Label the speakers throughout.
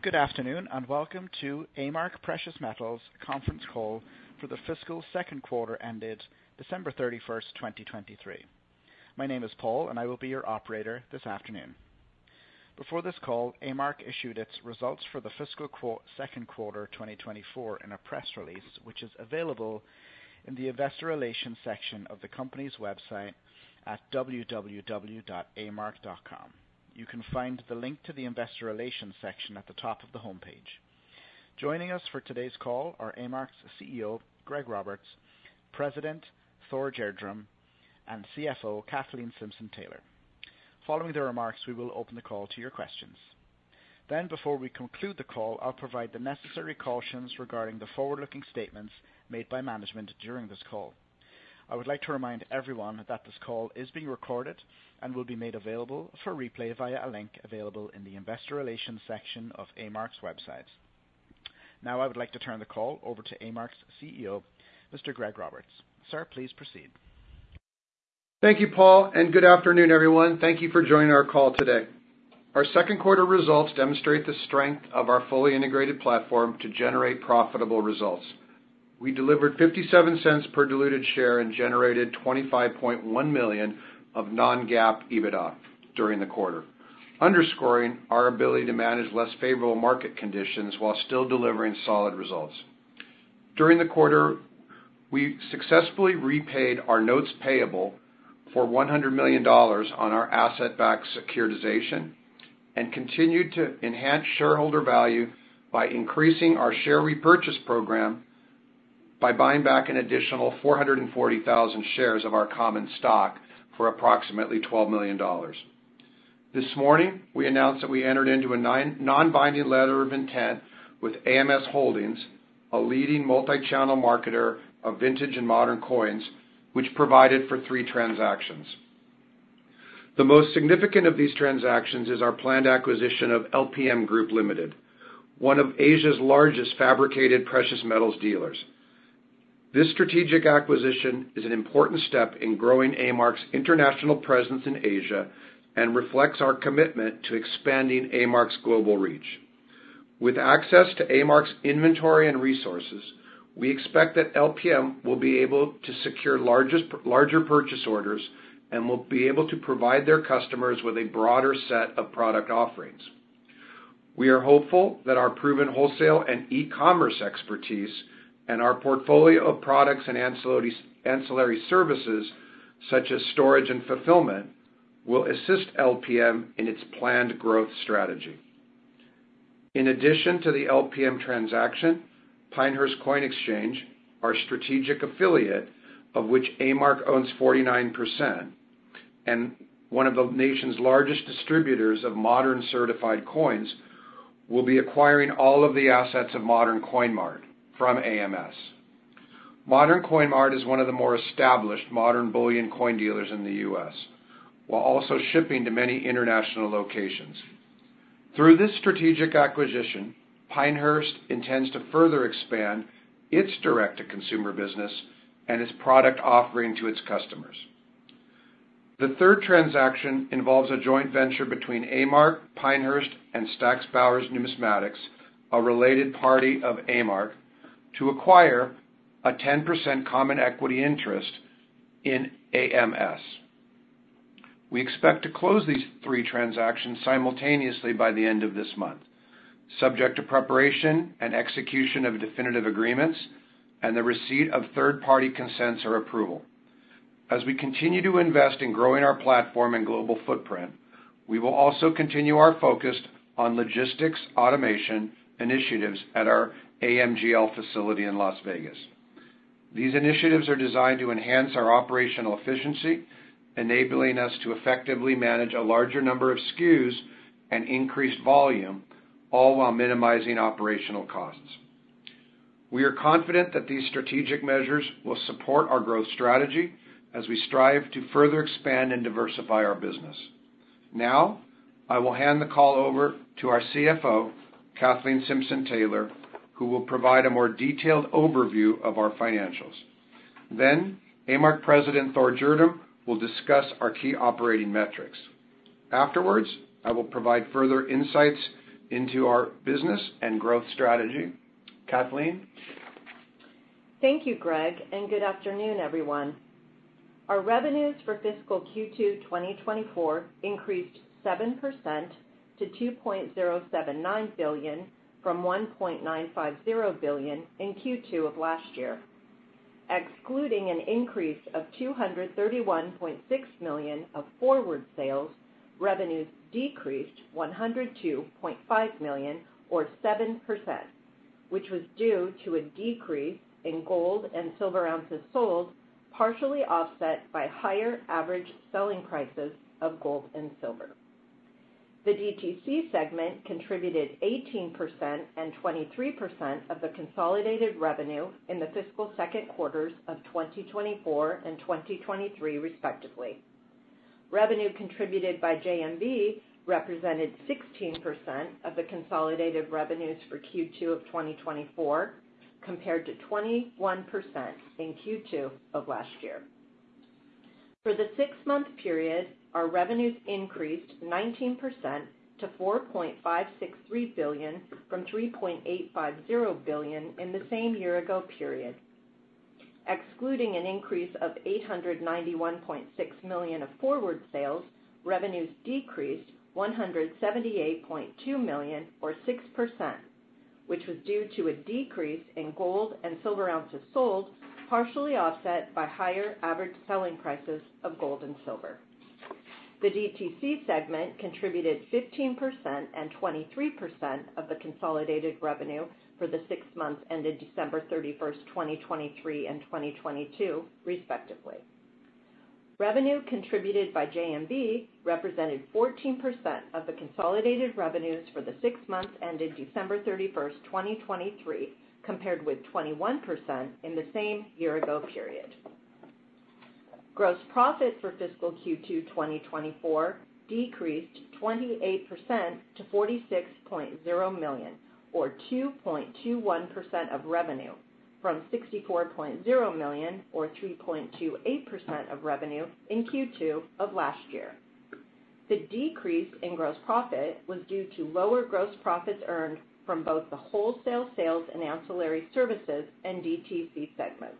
Speaker 1: Good afternoon, and welcome to A-Mark Precious Metals conference call for the fiscal second quarter ended December 31, 2023. My name is Paul, and I will be your operator this afternoon. Before this call, A-Mark issued its results for the fiscal second quarter 2024 in a press release, which is available in the investor relations section of the company's website at www.amark.com. You can find the link to the investor relations section at the top of the homepage. Joining us for today's call are A-Mark's CEO, Greg Roberts, President, Thor Gjerdrum, and CFO, Kathleen Simpson-Taylor. Following the remarks, we will open the call to your questions. Then, before we conclude the call, I'll provide the necessary cautions regarding the forward-looking statements made by management during this call. I would like to remind everyone that this call is being recorded and will be made available for replay via a link available in the investor relations section of A-Mark's website. Now, I would like to turn the call over to A-Mark's CEO, Mr. Greg Roberts. Sir, please proceed.
Speaker 2: Thank you, Paul, and good afternoon, everyone. Thank you for joining our call today. Our second quarter results demonstrate the strength of our fully integrated platform to generate profitable results. We delivered $0.57 per diluted share and generated $25.1 million of non-GAAP EBITDA during the quarter, underscoring our ability to manage less favorable market conditions while still delivering solid results. During the quarter, we successfully repaid our notes payable for $100 million on our asset-backed securitization and continued to enhance shareholder value by increasing our share repurchase program by buying back an additional 440,000 shares of our common stock for approximately $12 million. This morning, we announcedd that we entered into a non-binding letter of intent with AMS Holding, a leading multi-channel marketer of vintage and modern coins, which provided for 3 transactions. The most significant of these transactions is our planned acquisition of LPM Group Limited, one of Asia's largest fabricated precious metals dealers. This strategic acquisition is an important step in growing A-Mark's international presence in Asia and reflects our commitment to expanding A-Mark's global reach. With access to A-Mark's inventory and resources, we expect that LPM will be able to secure larger purchase orders and will be able to provide their customers with a broader set of product offerings. We are hopeful that our proven wholesale and e-commerce expertise, and our portfolio of products and ancillary services, such as storage and fulfillment, will assist LPM in its planned growth strategy. In addition to the LPM transaction, Pinehurst Coin Exchange, our strategic affiliate, of which A-Mark owns 49%, and one of the nation's largest distributors of modern certified coins, will be acquiring all of the assets of Modern Coin Mart from AMS. Modern Coin Mart is one of the more established modern bullion coin dealers in the U.S., while also shipping to many international locations. Through this strategic acquisition, Pinehurst intends to further expand its direct-to-consumer business and its product offering to its customers. The third transaction involves a joint venture between A-Mark, Pinehurst, and Stack's Bowers Galleries, a related party of A-Mark, to acquire a 10% common equity interest in AMS. We expect to close these three transactions simultaneously by the end of this month, subject to preparation and execution of definitive agreements and the receipt of third-party consents or approval. As we continue to invest in growing our platform and global footprint, we will also continue our focus on logistics, automation, initiatives at our AMGL facility in Las Vegas. These initiatives are designed to enhance our operational efficiency, enabling us to effectively manage a larger number of SKUs and increased volume, all while minimizing operational costs. We are confident that these strategic measures will support our growth strategy as we strive to further expand and diversify our business. Now, I will hand the call over to our CFO, Kathleen Simpson-Taylor, who will provide a more detailed overview of our financials. Then, A-Mark President, Thor Gjerdrum, will discuss our key operating metrics. Afterwards, I will provide further insights into our business and growth strategy. Kathleen?
Speaker 3: Thank you, Greg, and good afternoon, everyone. Our revenues for fiscal Q2 2024 increased 7% to $2.079 billion from $1.950 billion in Q2 of last year. Excluding an increase of $231.6 million of forward sales, revenues decreased $102.5 million, or 7%, which was due to a decrease in gold and silver ounces sold, partially offset by higher average selling prices of gold and silver. The DTC segment contributed 18% and 23% of the consolidated revenue in the fiscal second quarters of 2024 and 2023, respectively. Revenue contributed by JMB represented 16% of the consolidated revenues for Q2 of 2024, compared to 21% in Q2 of last year. For the six-month period, our revenues increased 19% to $4.563 billion from $3.850 billion in the same year ago period. Excluding an increase of $891.6 million of forward sales, revenues decreased $178.2 million, or 6%, which was due to a decrease in gold and silver ounces sold, partially offset by higher average selling prices of gold and silver. The DTC segment contributed 15% and 23% of the consolidated revenue for the six months ended December 31, 2023 and 2022, respectively. Revenue contributed by JMB represented 14% of the consolidated revenues for the six months ended December 31, 2023, compared with 21% in the same year-ago period. Gross profit for fiscal Q2 2024 decreased 28% to $46.0 million, or 2.21% of revenue, from $64.0 million, or 3.28% of revenue in Q2 of last year. The decrease in gross profit was due to lower gross profits earned from both the wholesale sales and ancillary services and DTC segments.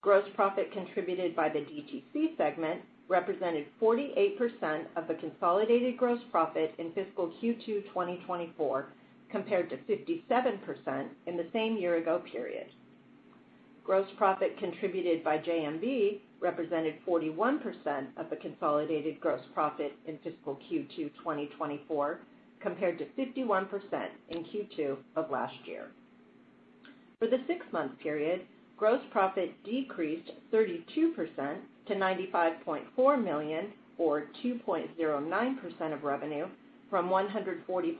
Speaker 3: Gross profit contributed by the DTC segment represented 48% of the consolidated gross profit in fiscal Q2 2024, compared to 57% in the same year-ago period. Gross profit contributed by JMB represented 41% of the consolidated gross profit in fiscal Q2 2024, compared to 51% in Q2 of last year. For the six-month period, gross profit decreased 32% to $95.4 million, or 2.09% of revenue, from $140.6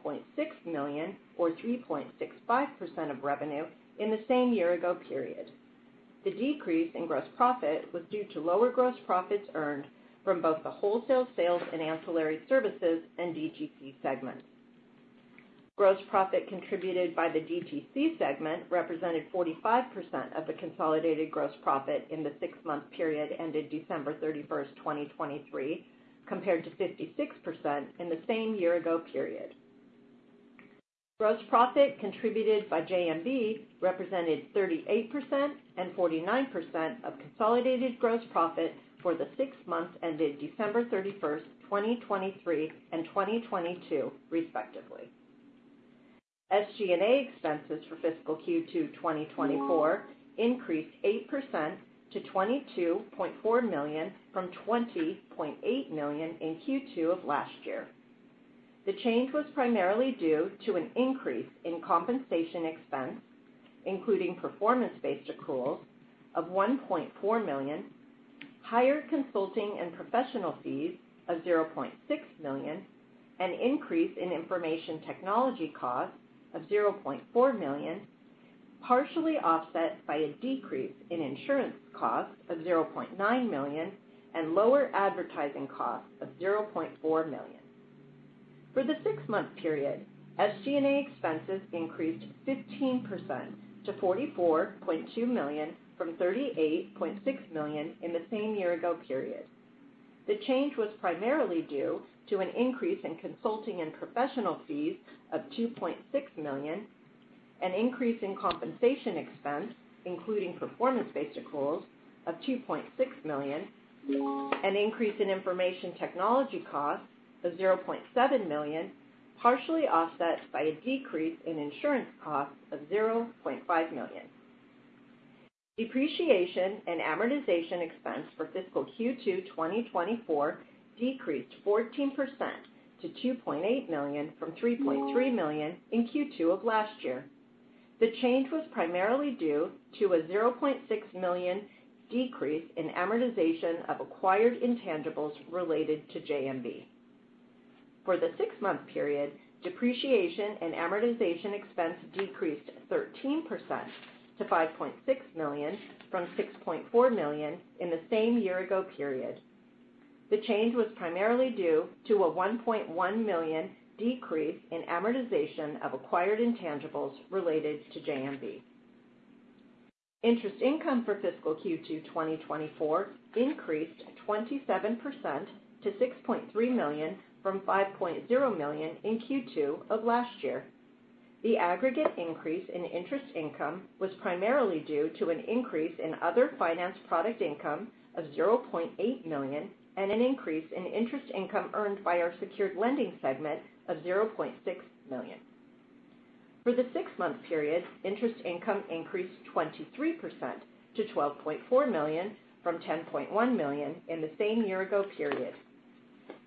Speaker 3: million, or 3.65% of revenue in the same year ago period. The decrease in gross profit was due to lower gross profits earned from both the wholesale sales and ancillary services and DTC segments. Gross profit contributed by the DTC segment represented 45% of the consolidated gross profit in the six-month period ended December 31, 2023, compared to 56% in the same year ago period. Gross profit contributed by JMB represented 38% and 49% of consolidated gross profit for the six months ended December 31, 2023 and 2022, respectively. SG&A expenses for fiscal Q2 2024 increased 8% to $22.4 million from $20.8 million in Q2 of last year. The change was primarily due to an increase in compensation expense, including performance-based accruals of $1.4 million, higher consulting and professional fees of $0.6 million, an increase in information technology costs of $0.4 million, partially offset by a decrease in insurance costs of $0.9 million and lower advertising costs of $0.4 million. For the six-month period, SG&A expenses increased 15% to $44.2 million from $38.6 million in the same year ago period. The change was primarily due to an increase in consulting and professional fees of $2.6 million, an increase in compensation expense, including performance-based accruals of $2.6 million, an increase in information technology costs of $0.7 million, partially offset by a decrease in insurance costs of $0.5 million. Depreciation and amortization expense for fiscal Q2 2024 decreased 14% to $2.8 million from $3.3 million in Q2 of last year. The change was primarily due to a $0.6 million decrease in amortization of acquired intangibles related to JMB. For the six-month period, depreciation and amortization expense decreased 13% to $5.6 million from $6.4 million in the same year ago period. The change was primarily due to a $1.1 million decrease in amortization of acquired intangibles related to JMB. Interest income for fiscal Q2 2024 increased 27% to $6.3 million from $5.0 million in Q2 of last year. The aggregate increase in interest income was primarily due to an increase in other finance product income of $0.8 million and an increase in interest income earned by our secured lending segment of $0.6 million. For the six-month period, interest income increased 23% to $12.4 million from $10.1 million in the same year ago period.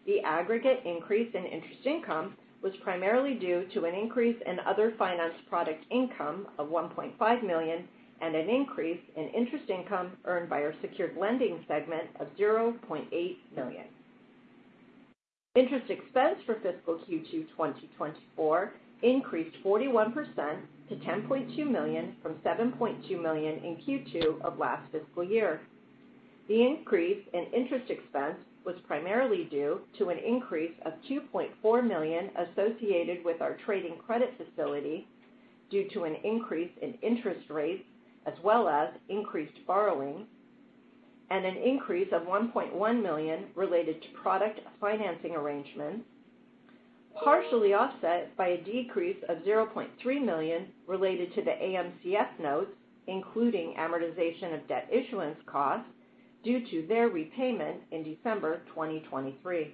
Speaker 3: The aggregate increase in interest income was primarily due to an increase in other finance product income of $1.5 million and an increase in interest income earned by our secured lending segment of $0.8 million. Interest expense for fiscal Q2 2024 increased 41% to $10.2 million from $7.2 million in Q2 of last fiscal year. The increase in interest expense was primarily due to an increase of $2.4 million associated with our trading credit facility, due to an increase in interest rates, as well as increased borrowing, and an increase of $1.1 million related to product financing arrangements, partially offset by a decrease of $0.3 million related to the AMCF notes, including amortization of debt issuance costs, due to their repayment in December 2023.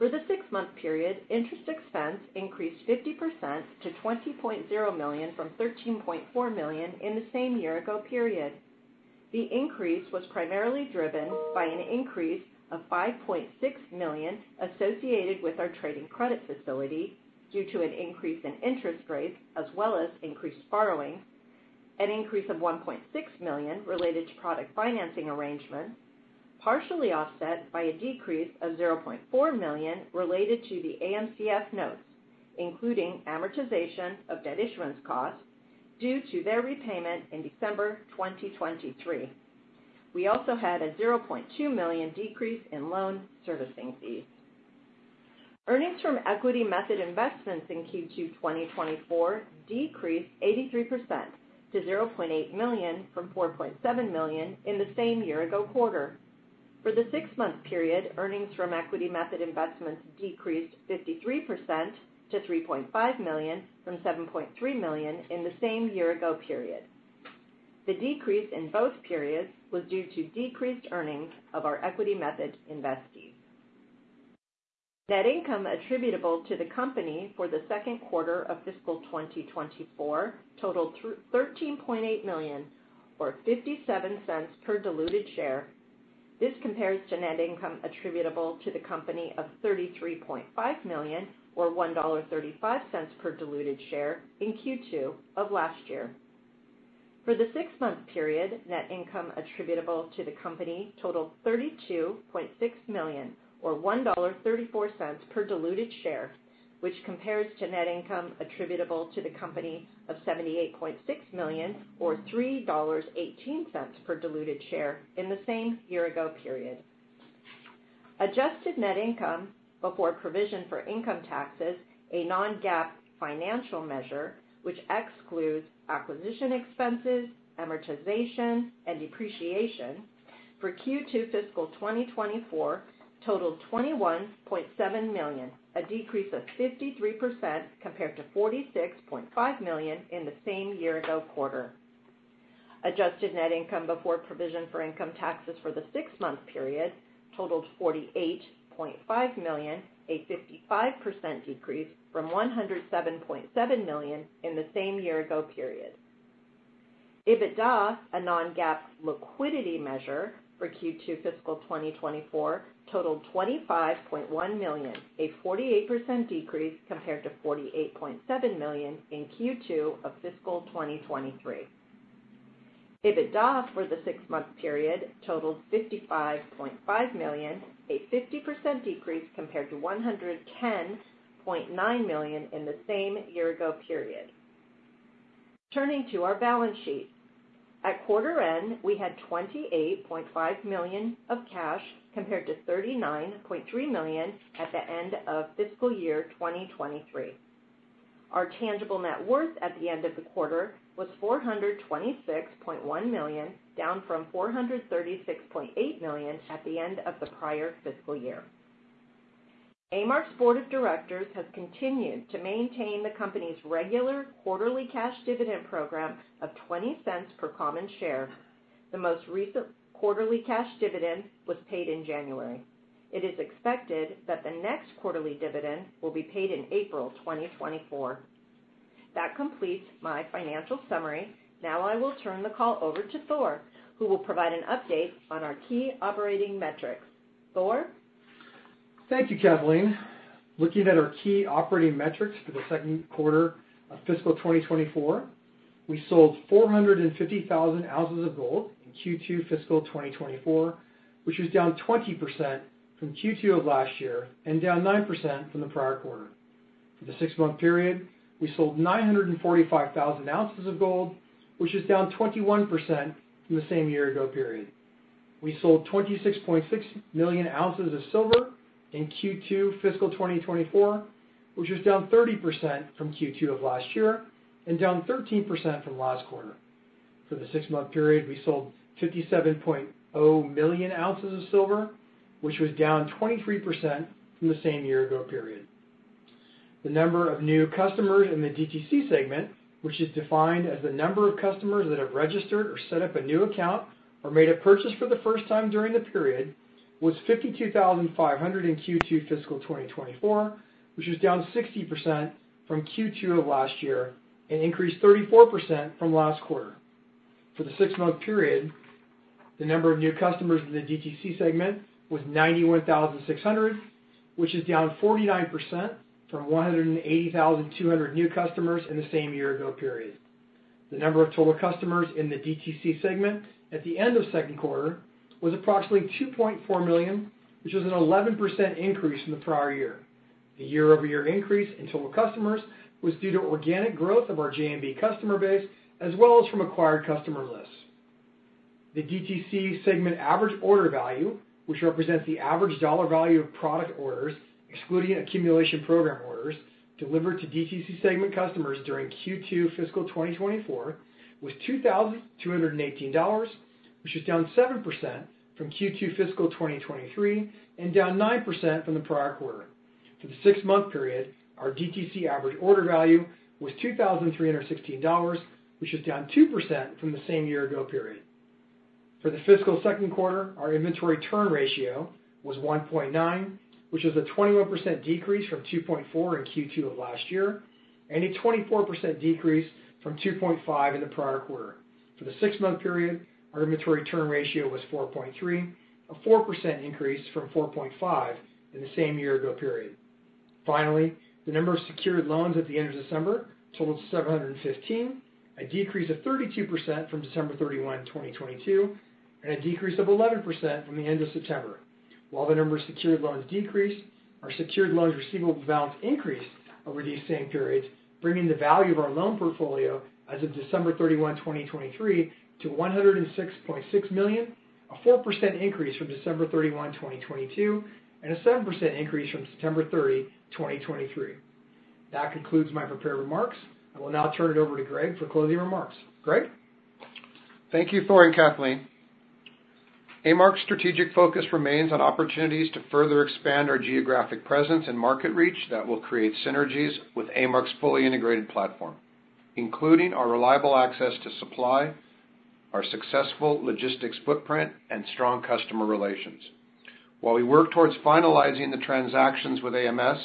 Speaker 3: For the six-month period, interest expense increased 50% to $20.0 million from $13.4 million in the same year ago period. The increase was primarily driven by an increase of $5.6 million associated with our trading credit facility, due to an increase in interest rates, as well as increased borrowing. An increase of $1.6 million related to product financing arrangements, partially offset by a decrease of $0.4 million related to the AMCF notes, including amortization of debt issuance costs, due to their repayment in December 2023. We also had a $0.2 million decrease in loan servicing fees. Earnings from equity method investments in Q2 2024 decreased 83% to $0.8 million from $4.7 million in the same year ago quarter. For the six-month period, earnings from equity method investments decreased 53% to $3.5 million from $7.3 million in the same year ago period. The decrease in both periods was due to decreased earnings of our equity method investees. Net income attributable to the company for the second quarter of fiscal 2024 totaled $13.8 million, or $0.57 per diluted share. This compares to net income attributable to the company of $33.5 million, or $1.35 per diluted share in Q2 of last year. For the six-month period, net income attributable to the company totaled $32.6 million, or $1.34 per diluted share, which compares to net income attributable to the company of $78.6 million, or $3.18 per diluted share in the same year ago period. Adjusted net income before provision for income taxes, a non-GAAP financial measure, which excludes acquisition expenses, amortization, and depreciation for Q2 fiscal 2024 totaled $21.7 million, a 53% decrease compared to $46.5 million in the same year-ago quarter. Adjusted net income before provision for income taxes for the six-month period totaled $48.5 million, a 55% decrease from $107.7 million in the same year-ago period. EBITDA, a non-GAAP liquidity measure for Q2 fiscal 2024, totaled $25.1 million, a 48% decrease compared to $48.7 million in Q2 of fiscal 2023. EBITDA for the six-month period totaled $55.5 million, a 50% decrease compared to $110.9 million in the same year-ago period. Turning to our balance sheet. At quarter end, we had $28.5 million of cash, compared to $39.3 million at the end of fiscal year 2023. Our tangible net worth at the end of the quarter was $426.1 million, down from $436.8 million at the end of the prior fiscal year. A-Mark's board of directors has continued to maintain the company's regular quarterly cash dividend program of $0.20 per common share. The most recent quarterly cash dividend was paid in January. It is expected that the next quarterly dividend will be paid in April 2024. That completes my financial summary. Now, I will turn the call over to Thor, who will provide an update on our key operating metrics. Thor?
Speaker 4: Thank you, Kathleen. Looking at our key operating metrics for the second quarter of fiscal 2024, we sold 450,000 oz of gold in Q2 fiscal 2024, which was down 20% from Q2 of last year and down 9% from the prior quarter. For the six-month period, we sold 945,000 oz of gold, which is down 21% from the same year ago period. We sold 26.6 million oz of silver in Q2 fiscal 2024, which was down 30% from Q2 of last year and down 13% from last quarter. For the six-month period, we sold 57.0 million oz of silver, which was down 23% from the same year ago period. The number of new customers in the DTC segment, which is defined as the number of customers that have registered or set up a new account, or made a purchase for the first time during the period, was 52,500 in Q2 fiscal 2024, which is down 60% from Q2 of last year and increased 34% from last quarter. For the six-month period, the number of new customers in the DTC segment was 91,600, which is down 49% from 180,200 new customers in the same year ago period. The number of total customers in the DTC segment at the end of second quarter was approximately 2.4 million, which is an 11% increase from the prior year. The year-over-year increase in total customers was due to organic growth of our JMB customer base, as well as from acquired customer lists. The DTC segment average order value, which represents the average dollar value of product orders, excluding accumulation program orders, delivered to DTC segment customers during Q2 fiscal 2024, was $2,218, which is down 7% from Q2 fiscal 2023, and down 9% from the prior quarter. For the six-month period, our DTC average order value was $2,316, which is down 2% from the same year ago period. For the fiscal second quarter, our inventory turn ratio was 1.9, which is a 21% decrease from 2.4 in Q2 of last year, and a 24% decrease from 2.5 in the prior quarter. For the six-month period, our inventory turn ratio was 4.3, a 4% increase from 4.5 in the same year ago period. Finally, the number of secured loans at the end of December totaled 715, a decrease of 32% from December 31, 2022, and a decrease of 11% from the end of September. While the number of secured loans decreased, our secured loans receivable balance increased over these same periods, bringing the value of our loan portfolio as of December 31, 2023, to $106.6 million, a 4% increase from December 31, 2022, and a 7% increase from September 30, 2023. That concludes my prepared remarks. I will now turn it over to Greg for closing remarks. Greg?
Speaker 2: Thank you, Thor and Kathleen. A-Mark's strategic focus remains on opportunities to further expand our geographic presence and market reach that will create synergies with A-Mark's fully integrated platform, including our reliable access to supply, our successful logistics footprint, and strong customer relations. While we work towards finalizing the transactions with AMS,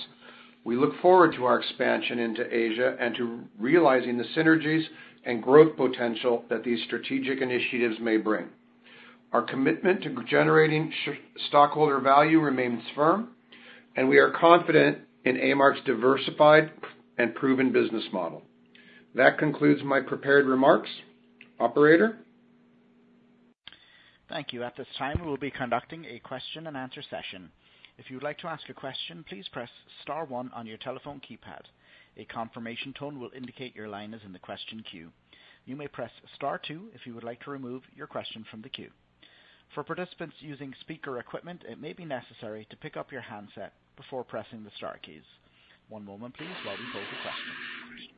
Speaker 2: we look forward to our expansion into Asia and to realizing the synergies and growth potential that these strategic initiatives may bring. Our commitment to generating stockholder value remains firm, and we are confident in A-Mark's diversified and proven business model. That concludes my prepared remarks. Operator?
Speaker 1: Thank you. At this time, we'll be conducting a question and answer session. If you'd like to ask a question, please press star one on your telephone keypad. A confirmation tone will indicate your line is in the question queue. You may press star two if you would like to remove your question from the queue. For participants using speaker equipment, it may be necessary to pick up your handset before pressing the star keys. One moment, please, while we pose a question.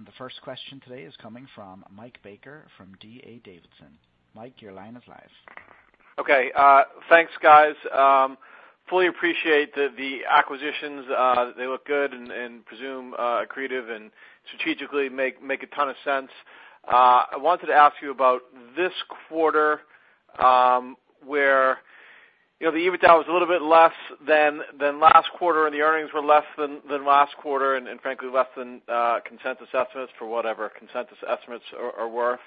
Speaker 1: The first question today is coming from Mike Baker from D.A. Davidson. Mike, your line is live.
Speaker 5: Okay, thanks, guys. Fully appreciate that the acquisitions, they look good and presume accretive and strategically make a ton of sense. I wanted to ask you about this quarter, where, you know, the EBITDA was a little bit less than last quarter, and the earnings were less than last quarter, and frankly, less than consensus estimates for whatever consensus estimates are worth.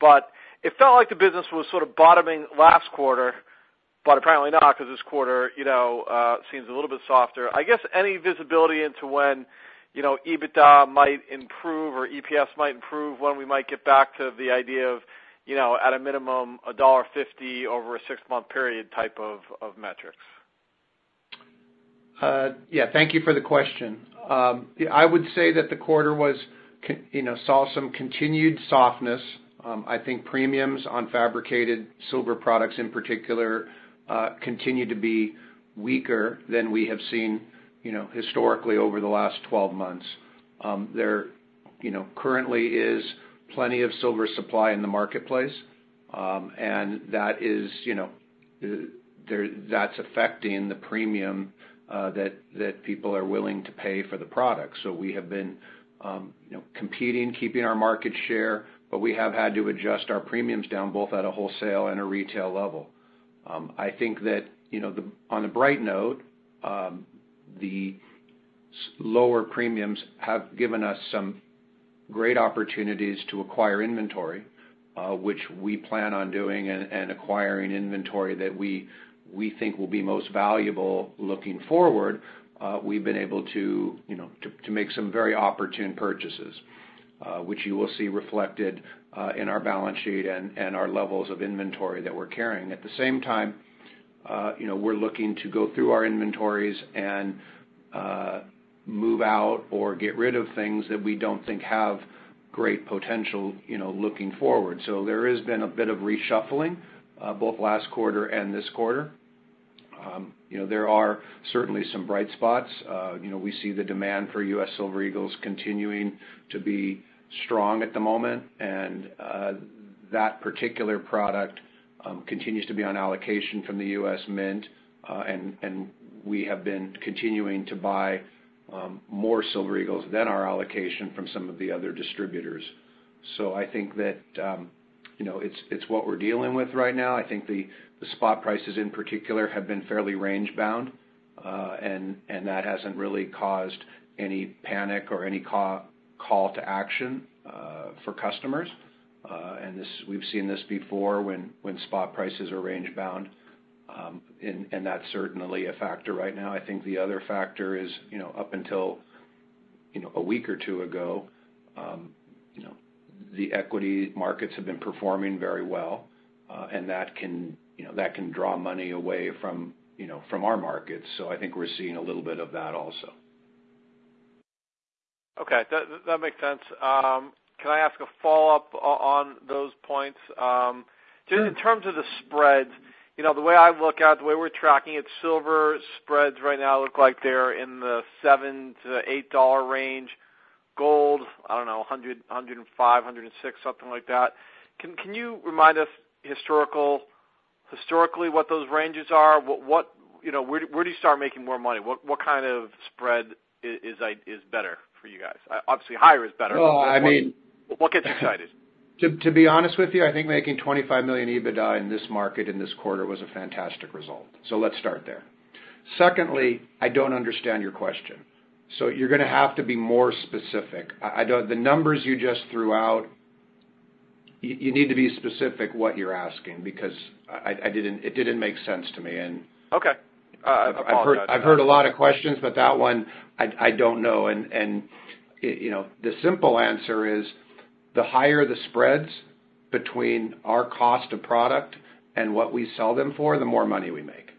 Speaker 5: But it felt like the business was sort of bottoming last quarter, but apparently not, 'cause this quarter, you know, seems a little bit softer. I guess any visibility into when, you know, EBITDA might improve or EPS might improve, when we might get back to the idea of, you know, at a minimum, $1.50 over a six-month period type of metrics?
Speaker 2: Yeah, thank you for the question. Yeah, I would say that the quarter, you know, saw some continued softness. I think premiums on fabricated silver products in particular continued to be weaker than we have seen, you know, historically over the last 12 months. There, you know, currently is plenty of silver supply in the marketplace, and that is, you know, that's affecting the premium that people are willing to pay for the product. So we have been, you know, competing, keeping our market share, but we have had to adjust our premiums down, both at a wholesale and a retail level. I think that, you know, on the bright note, lower premiums have given us some great opportunities to acquire inventory, which we plan on doing and acquiring inventory that we think will be most valuable looking forward. We've been able to, you know, to make some very opportune purchases, which you will see reflected in our balance sheet and our levels of inventory that we're carrying. At the same time, you know, we're looking to go through our inventories and move out or get rid of things that we don't think have great potential, you know, looking forward. So there has been a bit of reshuffling both last quarter and this quarter. You know, there are certainly some bright spots. You know, we see the demand for U.S. Silver Eagles continuing to be strong at the moment, and that particular product continues to be on allocation from the U.S. Mint, and we have been continuing to buy more Silver Eagles than our allocation from some of the other distributors. So I think that, you know, it's what we're dealing with right now. I think the spot prices, in particular, have been fairly range-bound, and that hasn't really caused any panic or any call to action for customers. And we've seen this before when spot prices are range-bound, and that's certainly a factor right now. I think the other factor is, you know, up until, you know, a week or two ago, you know, the equity markets have been performing very well, and that can, you know, that can draw money away from, you know, from our markets. So I think we're seeing a little bit of that also....
Speaker 5: Okay, that makes sense. Can I ask a follow-up on those points? Just in terms of the spreads, you know, the way I look at, the way we're tracking it, silver spreads right now look like they're in the $7-$8 range. Gold, I don't know, $105-$106, something like that. Can you remind us historically, what those ranges are? What, you know, where do you start making more money? What kind of spread is better for you guys? Obviously, higher is better.
Speaker 2: Well, I mean-
Speaker 5: What gets you excited?
Speaker 2: To be honest with you, I think making $25 million EBITDA in this market, in this quarter was a fantastic result. So let's start there. Secondly, I don't understand your question, so you're gonna have to be more specific. I don't... The numbers you just threw out, you need to be specific what you're asking, because I didn't, it didn't make sense to me, and-
Speaker 5: Okay. I apologize.
Speaker 2: I've heard a lot of questions, but that one, I don't know. And, you know, the simple answer is, the higher the spreads between our cost of product and what we sell them for, the more money we make,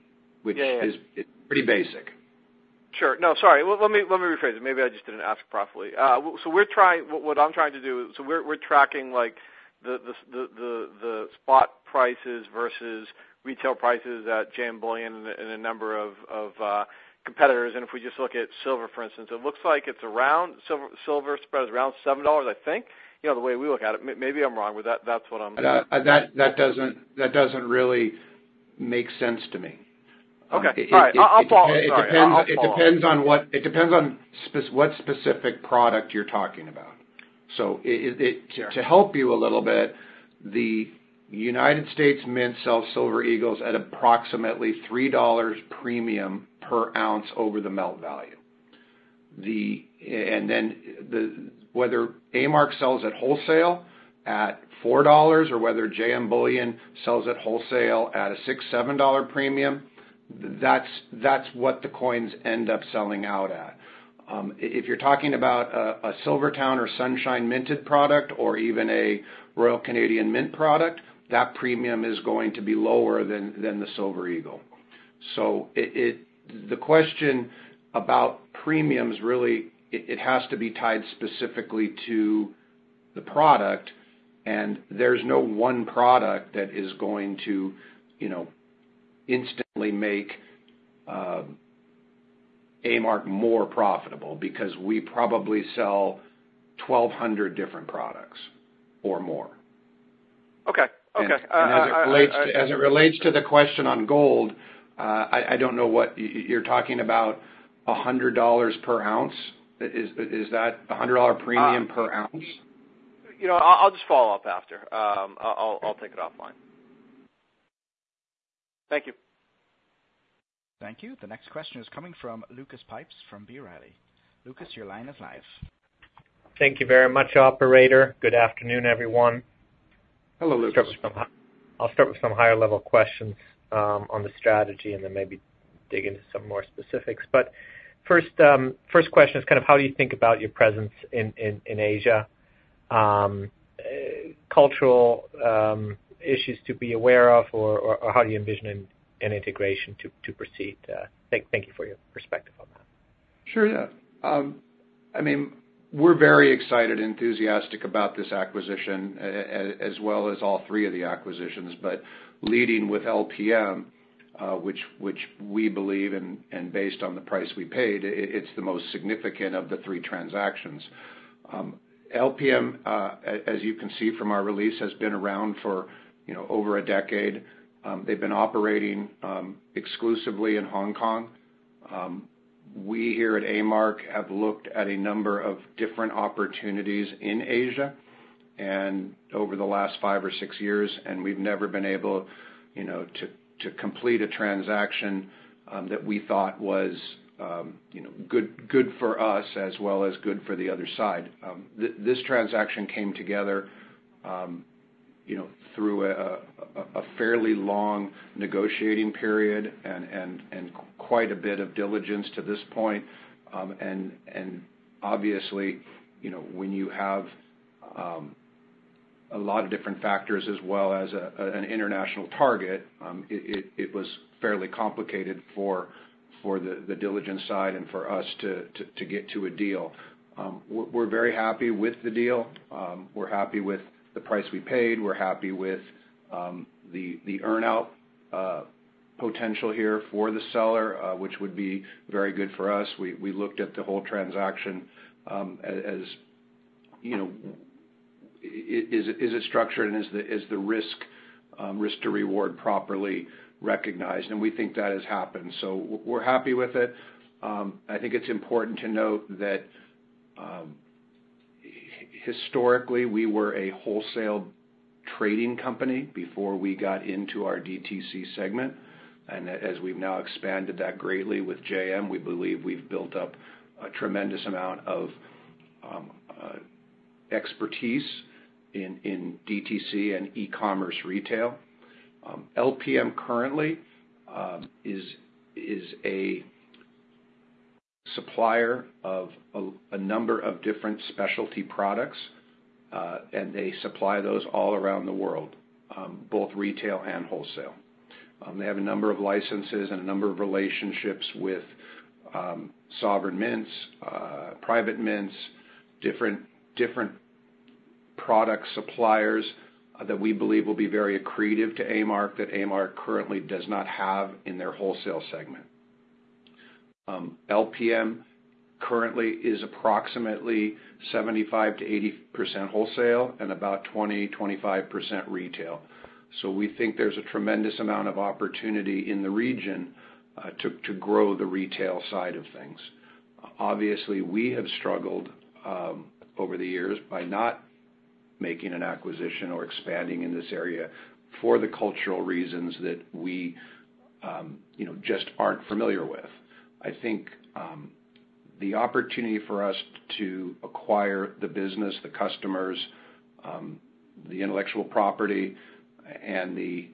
Speaker 2: which-
Speaker 5: Yeah, yeah...
Speaker 2: is pretty basic.
Speaker 5: Sure. No, sorry. Well, let me rephrase it. Maybe I just didn't ask properly. So we're trying—what I'm trying to do, so we're tracking, like, the spot prices versus retail prices at JM Bullion and a number of competitors. And if we just look at silver, for instance, it looks like it's around, silver spread is around $7, I think, you know, the way we look at it. Maybe I'm wrong, but that's what I'm-
Speaker 2: That doesn't really make sense to me.
Speaker 5: Okay. All right. I'll follow up. Sorry.
Speaker 2: It depends on what specific product you're talking about. So it-
Speaker 5: Sure...
Speaker 2: To help you a little bit, the U.S. Mint sells Silver Eagles at approximately $3 premium per ounce over the melt value. And then, the whether A-Mark sells at wholesale at $4, or whether JM Bullion sells at wholesale at a $6-$7 premium, that's what the coins end up selling out at. If you're talking about a SilverTowne or Sunshine-minted product, or even a Royal Canadian Mint product, that premium is going to be lower than the Silver Eagle. So it, the question about premiums, really, it has to be tied specifically to the product, and there's no one product that is going to, you know, instantly make A-Mark more profitable, because we probably sell 1,200 different products or more.
Speaker 5: Okay. Okay,
Speaker 2: As it relates to the question on gold, I don't know what you're talking about $100 per ounce? Is that a $100 premium per ounce?
Speaker 5: You know, I'll just follow up after. I'll take it offline. Thank you.
Speaker 1: Thank you. The next question is coming from Lucas Pipes, from B. Riley. Lucas, your line is live.
Speaker 6: Thank you very much, operator. Good afternoon, everyone.
Speaker 2: Hello, Lucas.
Speaker 6: I'll start with some high-level questions on the strategy, and then maybe dig into some more specifics. But first, question is kind of how you think about your presence in Asia, cultural issues to be aware of, or how do you envision an integration to proceed? Thank you for your perspective on that.
Speaker 2: Sure, yeah. I mean, we're very excited and enthusiastic about this acquisition, as well as all three of the acquisitions, but leading with LPM, which we believe, and based on the price we paid, it's the most significant of the three transactions. LPM, as you can see from our release, has been around for, you know, over a decade. They've been operating exclusively in Hong Kong. We here at A-Mark have looked at a number of different opportunities in Asia and over the last five or six years, and we've never been able, you know, to complete a transaction that we thought was, you know, good for us as well as good for the other side. This transaction came together, you know, through a fairly long negotiating period and quite a bit of diligence to this point. And obviously, you know, when you have a lot of different factors as well as an international target, it was fairly complicated for the diligence side and for us to get to a deal. We're very happy with the deal. We're happy with the price we paid. We're happy with the earn-out potential here for the seller, which would be very good for us. We looked at the whole transaction, as you know, is it structured and is the risk to reward properly recognized? And we think that has happened, so we're happy with it. I think it's important to note that, historically, we were a wholesale trading company before we got into our DTC segment, and as we've now expanded that greatly with JM, we believe we've built up a tremendous amount of expertise in DTC and e-commerce retail. LPM currently is a supplier of a number of different specialty products, and they supply those all around the world, both retail and wholesale. They have a number of licenses and a number of relationships with sovereign mints, private mints, different product suppliers, that we believe will be very accretive to A-Mark, that A-Mark currently does not have in their wholesale segment. LPM currently is approximately 75%-80% wholesale and about 25% retail. So we think there's a tremendous amount of opportunity in the region, to grow the retail side of things. Obviously, we have struggled over the years by not making an acquisition or expanding in this area for the cultural reasons that we, you know, just aren't familiar with. I think the opportunity for us to acquire the business, the customers, the intellectual property, and the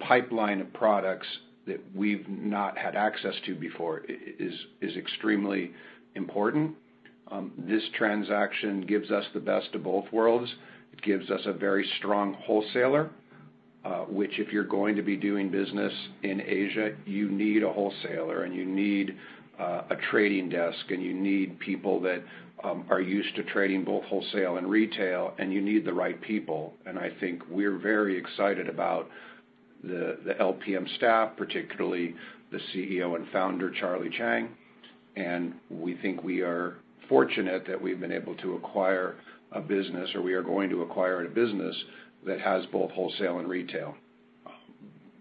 Speaker 2: pipeline of products that we've not had access to before is extremely important. This transaction gives us the best of both worlds. It gives us a very strong wholesaler, which if you're going to be doing business in Asia, you need a wholesaler, and you need a trading desk, and you need people that are used to trading both wholesale and retail, and you need the right people. I think we're very excited about the LPM staff, particularly the CEO and founder, Charlie Chang. We think we are fortunate that we've been able to acquire a business, or we are going to acquire a business that has both wholesale and retail.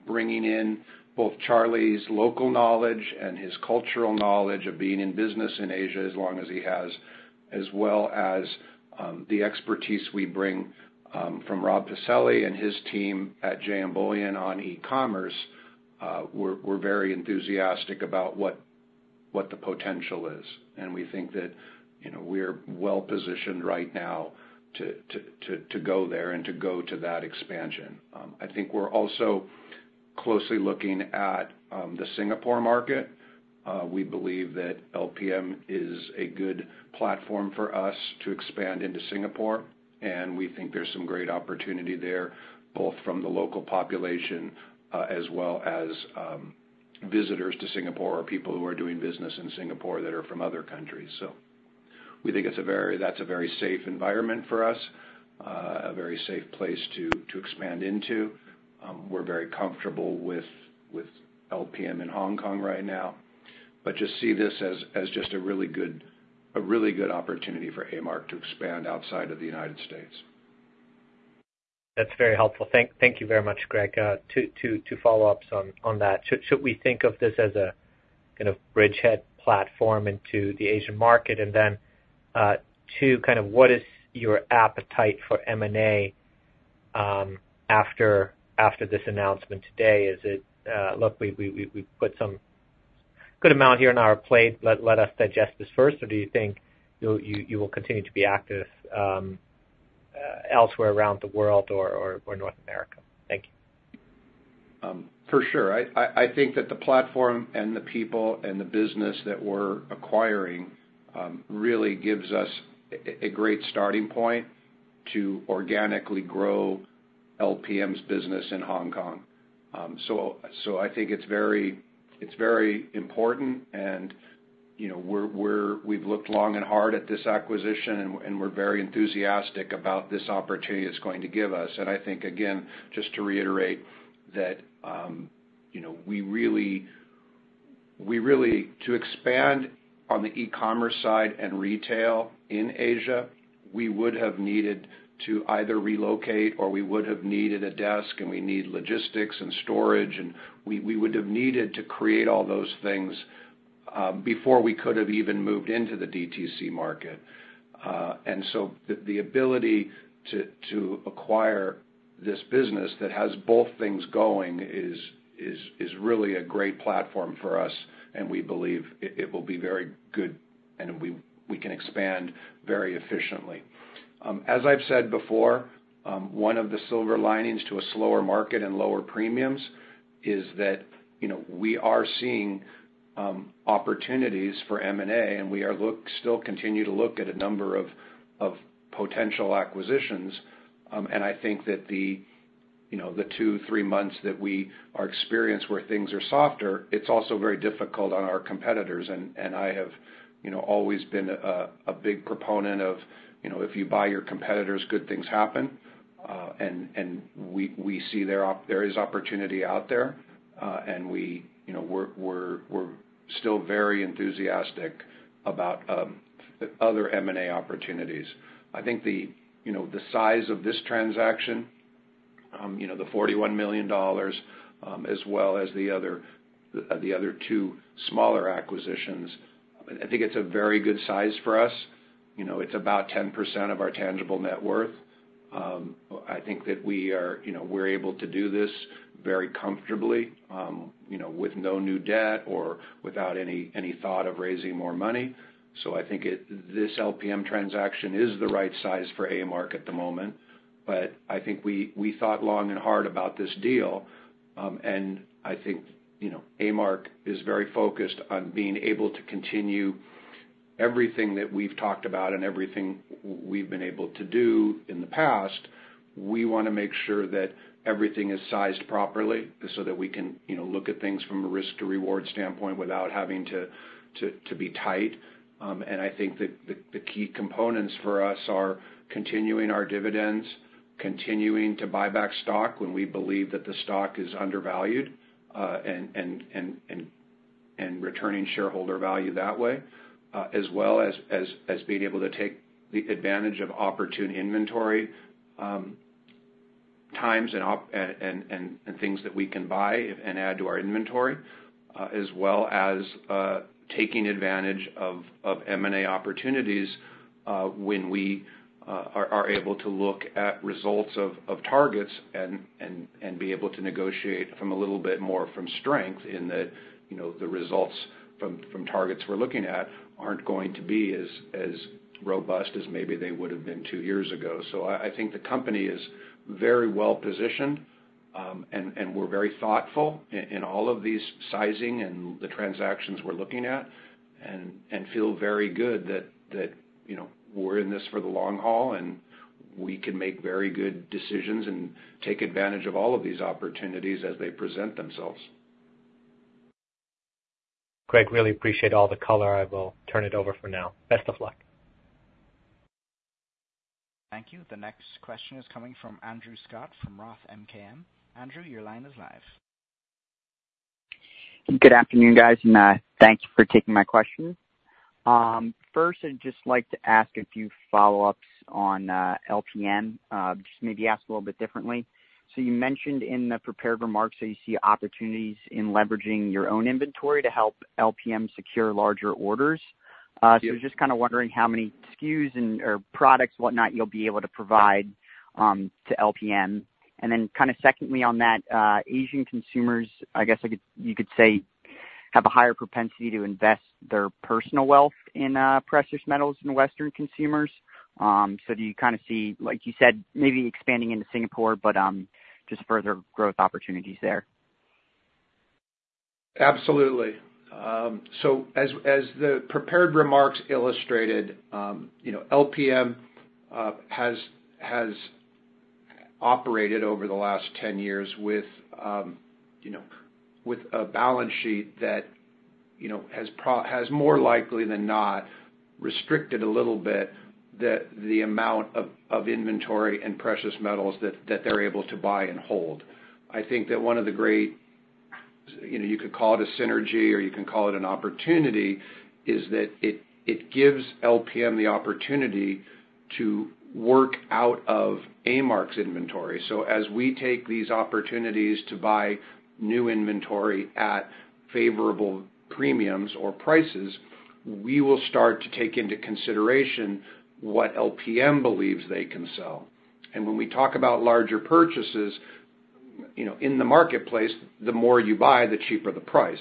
Speaker 2: Bringing in both Charlie's local knowledge and his cultural knowledge of being in business in Asia as long as he has, as well as the expertise we bring from Rob Pacelli and his team at JM Bullion on e-commerce, we're very enthusiastic about what the potential is, and we think that, you know, we're well-positioned right now to go there and to go to that expansion. I think we're also closely looking at the Singapore market. We believe that LPM is a good platform for us to expand into Singapore, and we think there's some great opportunity there, both from the local population, as well as visitors to Singapore or people who are doing business in Singapore that are from other countries. So we think that's a very safe environment for us, a very safe place to expand into. We're very comfortable with LPM in Hong Kong right now, but just see this as just a really good opportunity for A-Mark to expand outside of the United States.
Speaker 6: That's very helpful. Thank you very much, Greg. Two follow-ups on that. Should we think of this as a kind of bridgehead platform into the Asian market? And then, two, kind of what is your appetite for M&A after this announcement today? Is it, look, we've put some good amount here on our plate, let us digest this first, or do you think you'll continue to be active elsewhere around the world or North America? Thank you.
Speaker 2: For sure. I think that the platform and the people and the business that we're acquiring really gives us a great starting point to organically grow LPM's business in Hong Kong. So I think it's very important, and you know, we've looked long and hard at this acquisition, and we're very enthusiastic about this opportunity it's going to give us. And I think, again, just to reiterate that, you know, we really to expand on the e-commerce side and retail in Asia, we would have needed to either relocate or we would have needed a desk, and we need logistics and storage, and we would have needed to create all those things before we could have even moved into the DTC market. And so the ability to acquire this business that has both things going is really a great platform for us, and we believe it will be very good, and we can expand very efficiently. As I've said before, one of the silver linings to a slower market and lower premiums is that, you know, we are seeing opportunities for M&A, and we still continue to look at a number of potential acquisitions. And I think that, you know, the two, three months that we've experienced where things are softer, it's also very difficult on our competitors. And I have, you know, always been a big proponent of, you know, if you buy your competitors, good things happen. And we see there is opportunity out there, and we, you know, we're still very enthusiastic about other M&A opportunities. I think the, you know, the size of this transaction, you know, the $41 million, as well as the other two smaller acquisitions, I think it's a very good size for us. You know, it's about 10% of our Tangible Net Worth. I think that we are, you know, we're able to do this very comfortably, you know, with no new debt or without any thought of raising more money. So I think this LPM transaction is the right size for A-Mark at the moment. But I think we thought long and hard about this deal, and I think, you know, A-Mark is very focused on being able to continue... everything that we've talked about and everything we've been able to do in the past, we wanna make sure that everything is sized properly, so that we can, you know, look at things from a risk to reward standpoint without having to be tight. And I think that the key components for us are continuing our dividends, continuing to buy back stock when we believe that the stock is undervalued, and returning shareholder value that way, as well as being able to take the advantage of opportune inventory times and things that we can buy and add to our inventory, as well as taking advantage of M&A opportunities, when we are able to look at results of targets and be able to negotiate from a little bit more from strength in that, you know, the results from targets we're looking at aren't going to be as robust as maybe they would have been two years ago. So I think the company is very well positioned, and we're very thoughtful in all of these sizing and the transactions we're looking at, and feel very good that, you know, we're in this for the long haul, and we can make very good decisions and take advantage of all of these opportunities as they present themselves.
Speaker 6: Greg, really appreciate all the color. I will turn it over for now. Best of luck.
Speaker 1: Thank you. The next question is coming from Andrew Scutt, from Roth MKM. Andrew, your line is live.
Speaker 7: Good afternoon, guys, and thank you for taking my question. First, I'd just like to ask a few follow-ups on LPM, just maybe ask a little bit differently. So you mentioned in the prepared remarks that you see opportunities in leveraging your own inventory to help LPM secure larger orders.
Speaker 2: Yes.
Speaker 7: So just kind of wondering how many SKUs and or products, whatnot, you'll be able to provide to LPM. And then kind of secondly, on that, Asian consumers, I guess I could you could say, have a higher propensity to invest their personal wealth in precious metals than Western consumers. So do you kind of see, like you said, maybe expanding into Singapore, but just further growth opportunities there?
Speaker 2: Absolutely. So as, as the prepared remarks illustrated, you know, LPM has operated over the last 10 years with, you know, with a balance sheet that, you know, has more likely than not, restricted a little bit, the amount of inventory and precious metals that they're able to buy and hold. I think that one of the great, you know, you could call it a synergy or you can call it an opportunity, is that it gives LPM the opportunity to work out of A-Mark's inventory. So as we take these opportunities to buy new inventory at favorable premiums or prices, we will start to take into consideration what LPM believes they can sell. And when we talk about larger purchases, you know, in the marketplace, the more you buy, the cheaper the price.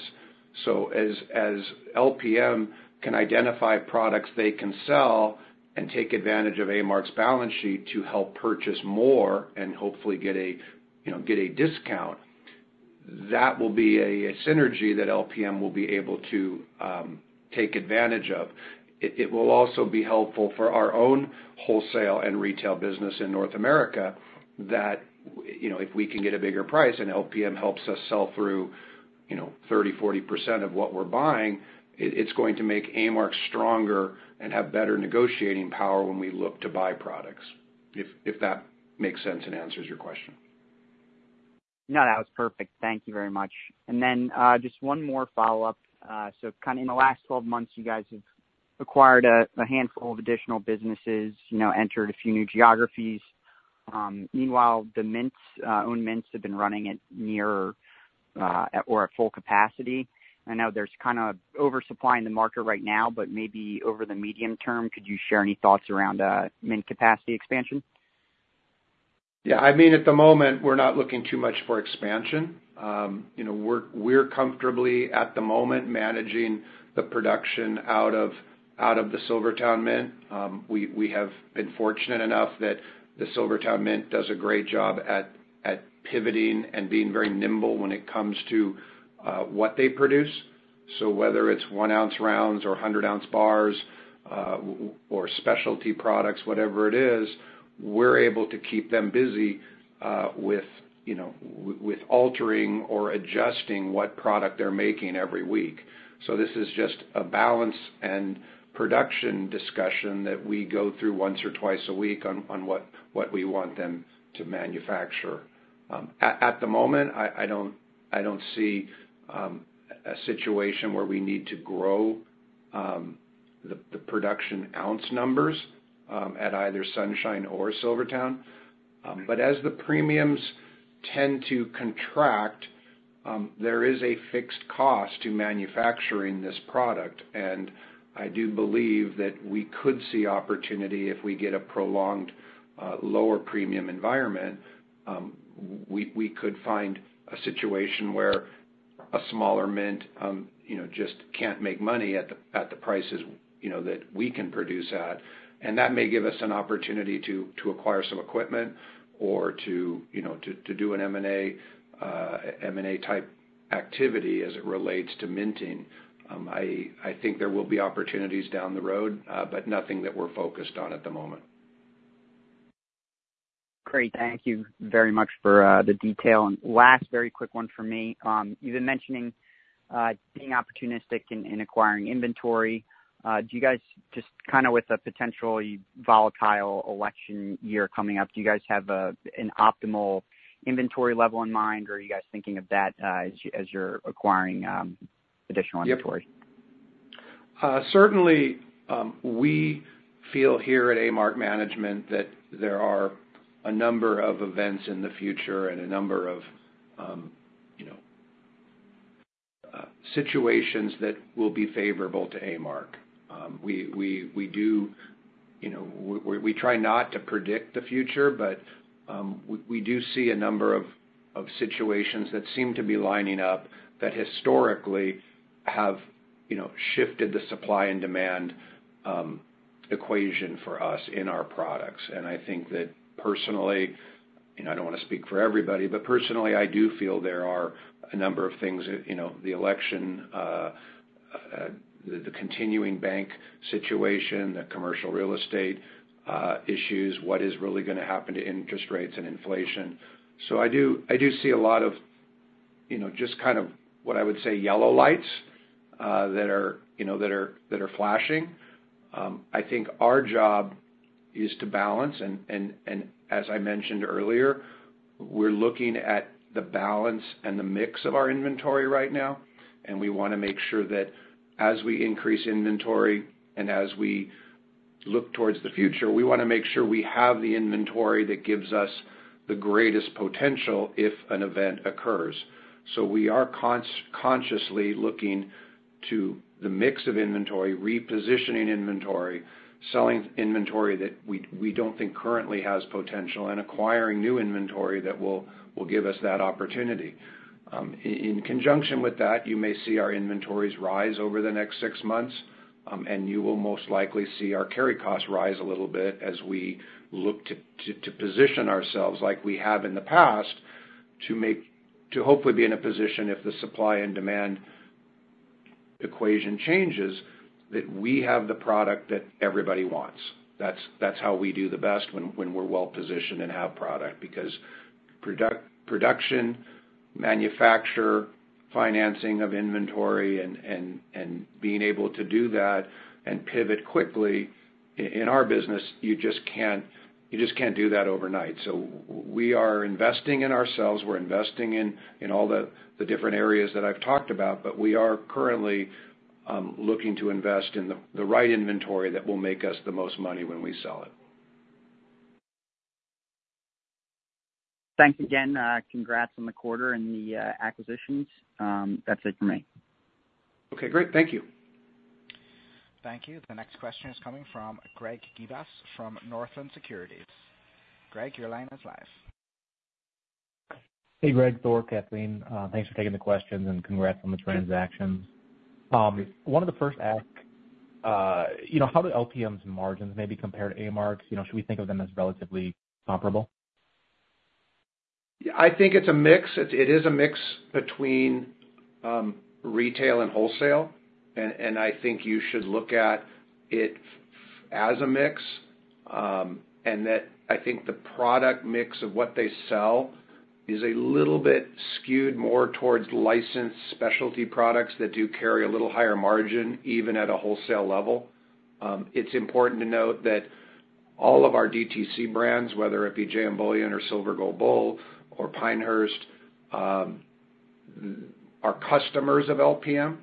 Speaker 2: So as LPM can identify products they can sell and take advantage of A-Mark's balance sheet to help purchase more and hopefully get a, you know, get a discount, that will be a synergy that LPM will be able to take advantage of. It will also be helpful for our own wholesale and retail business in North America, that, you know, if we can get a bigger price and LPM helps us sell through, you know, 30%-40% of what we're buying, it's going to make A-Mark stronger and have better negotiating power when we look to buy products, if that makes sense and answers your question.
Speaker 7: No, that was perfect. Thank you very much. And then, just one more follow-up. So kind of in the last 12 months, you guys have acquired a, a handful of additional businesses, you know, entered a few new geographies. Meanwhile, the mints, own mints have been running at near, or at full capacity. I know there's kind of oversupply in the market right now, but maybe over the medium term, could you share any thoughts around, mint capacity expansion?
Speaker 2: Yeah, I mean, at the moment, we're not looking too much for expansion. You know, we're comfortably at the moment managing the production out of the SilverTowne Mint. We have been fortunate enough that the SilverTowne Mint does a great job at pivoting and being very nimble when it comes to what they produce. So whether it's 1-oz rounds or 100-oz bars, or specialty products, whatever it is, we're able to keep them busy with, you know, with altering or adjusting what product they're making every week. So this is just a balance and production discussion that we go through once or twice a week on what we want them to manufacture. At the moment, I don't see a situation where we need to grow the production ounce numbers at either Sunshine or SilverTowne. But as the premiums tend to contract, there is a fixed cost to manufacturing this product, and I do believe that we could see opportunity if we get a prolonged lower premium environment. We could find a situation where a smaller mint, you know, just can't make money at the prices, you know, that we can produce at. And that may give us an opportunity to acquire some equipment or to, you know, to do an M&A, M&A-type transaction activity as it relates to minting. I think there will be opportunities down the road, but nothing that we're focused on at the moment.
Speaker 7: Great. Thank you very much for the detail. And last very quick one from me. You've been mentioning being opportunistic in acquiring inventory. Do you guys just, kind of with a potentially volatile election year coming up, do you guys have an optimal inventory level in mind, or are you guys thinking of that as you're acquiring additional inventory?
Speaker 2: Yep. Certainly, we feel here at A-Mark Management that there are a number of events in the future and a number of, you know, situations that will be favorable to A-Mark. We do, you know, we try not to predict the future, but we do see a number of situations that seem to be lining up that historically have, you know, shifted the supply and demand equation for us in our products. And I think that personally, and I don't want to speak for everybody, but personally, I do feel there are a number of things that, you know, the election, the continuing bank situation, the commercial real estate issues, what is really gonna happen to interest rates and inflation. So I do see a lot of, you know, just kind of, what I would say, yellow lights that are, you know, flashing. I think our job is to balance, as I mentioned earlier, we're looking at the balance and the mix of our inventory right now, and we wanna make sure that as we increase inventory and as we look towards the future, we wanna make sure we have the inventory that gives us the greatest potential if an event occurs. So we are consciously looking to the mix of inventory, repositioning inventory, selling inventory that we don't think currently has potential, and acquiring new inventory that will give us that opportunity. In conjunction with that, you may see our inventories rise over the next six months, and you will most likely see our carry costs rise a little bit as we look to position ourselves, like we have in the past, to hopefully be in a position if the supply and demand equation changes, that we have the product that everybody wants. That's how we do the best, when we're well positioned and have product. Because product production, manufacture, financing of inventory, and being able to do that and pivot quickly, in our business, you just can't do that overnight. So we are investing in ourselves, we're investing in all the different areas that I've talked about, but we are currently looking to invest in the right inventory that will make us the most money when we sell it.
Speaker 7: Thanks again. Congrats on the quarter and the acquisitions. That's it for me.
Speaker 2: Okay, great. Thank you.
Speaker 1: Thank you. The next question is coming from Greg Gibas from Northland Securities. Greg, your line is live.
Speaker 8: Hey, Greg, Thor, Kathleen, thanks for taking the questions, and congrats on the transactions. One of the first ask, you know, how do LPM's margins maybe compare to A-Mark's? You know, should we think of them as relatively comparable?
Speaker 2: I think it's a mix. It is a mix between retail and wholesale, and I think you should look at it as a mix, and that I think the product mix of what they sell is a little bit skewed more towards licensed specialty products that do carry a little higher margin, even at a wholesale level. It's important to note that all of our DTC brands, whether it be JM Bullion or Silver Gold Bull or Pinehurst, are customers of LPM.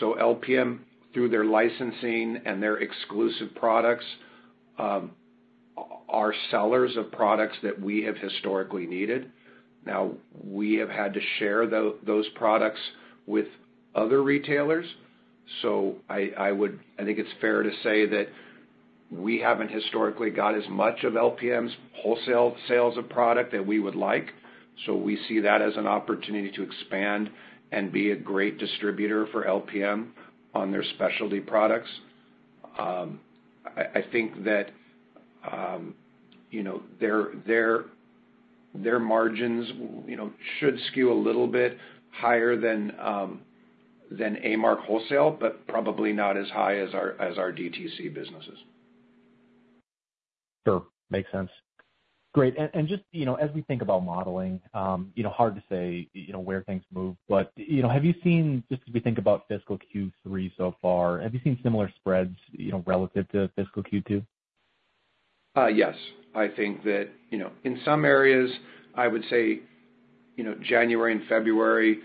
Speaker 2: So LPM, through their licensing and their exclusive products, are sellers of products that we have historically needed. Now, we have had to share those products with other retailers, so I would think it's fair to say that we haven't historically got as much of LPM's wholesale sales of product that we would like. So we see that as an opportunity to expand and be a great distributor for LPM on their specialty products. I think that, you know, their margins, you know, should skew a little bit higher than A-Mark Wholesale, but probably not as high as our DTC businesses.
Speaker 8: Sure. Makes sense. Great, and, and just, you know, as we think about modeling, you know, hard to say, you know, where things move, but, you know, have you seen, just as we think about fiscal Q3 so far, have you seen similar spreads, you know, relative to fiscal Q2?
Speaker 2: Yes. I think that, you know, in some areas, I would say, you know, January and February,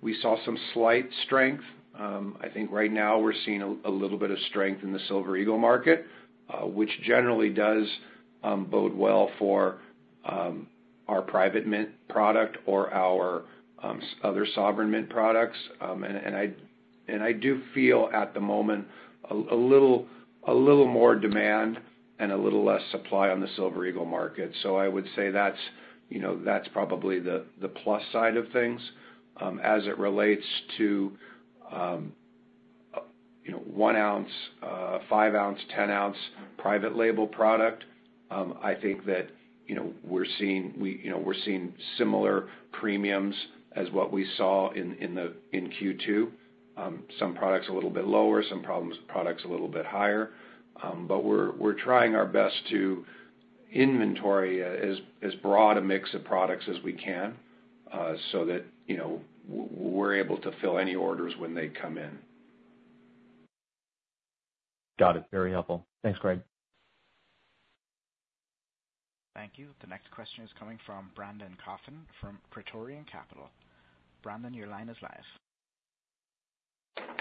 Speaker 2: we saw some slight strength. I think right now we're seeing a little bit of strength in the Silver Eagle market, which generally does bode well for our private mint product or our other sovereign mint products. And I do feel at the moment, a little more demand and a little less supply on the Silver Eagle market. So I would say that's, you know, that's probably the plus side of things. As it relates to 1-oz, 5-oz, 10-oz private label product. I think that, you know, we're seeing similar premiums as what we saw in Q2. Some products a little bit lower, some products a little bit higher. But we're trying our best to inventory as broad a mix of products as we can, so that, you know, we're able to fill any orders when they come in.
Speaker 8: Got it. Very helpful. Thanks, Greg.
Speaker 1: Thank you. The next question is coming from Brandon Coffin from Praetorian Capital. Brandon, your line is live.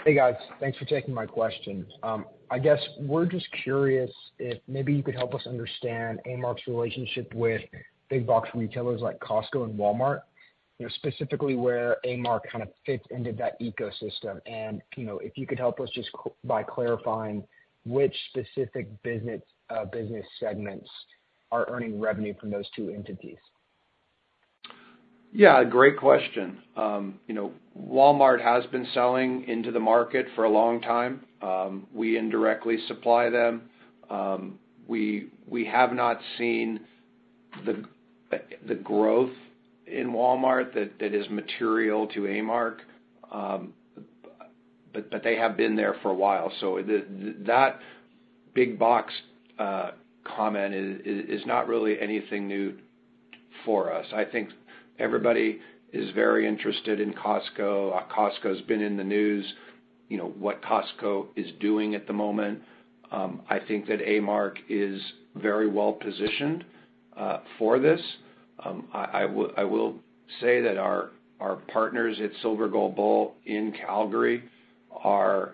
Speaker 9: Hey, guys. Thanks for taking my question. I guess we're just curious if maybe you could help us understand A-Mark's relationship with big box retailers like Costco and Walmart, you know, specifically where A-Mark kind of fits into that ecosystem. And, you know, if you could help us just by clarifying which specific business segments are earning revenue from those two entities.
Speaker 2: Yeah, great question. You know, Walmart has been selling into the market for a long time. We indirectly supply them. We have not seen the growth in Walmart that is material to A-Mark, but they have been there for a while, so that big box comment is not really anything new for us. I think everybody is very interested in Costco. Costco's been in the news, you know, what Costco is doing at the moment. I think that A-Mark is very well positioned for this. I will say that our partners at Silver Gold Bull in Calgary are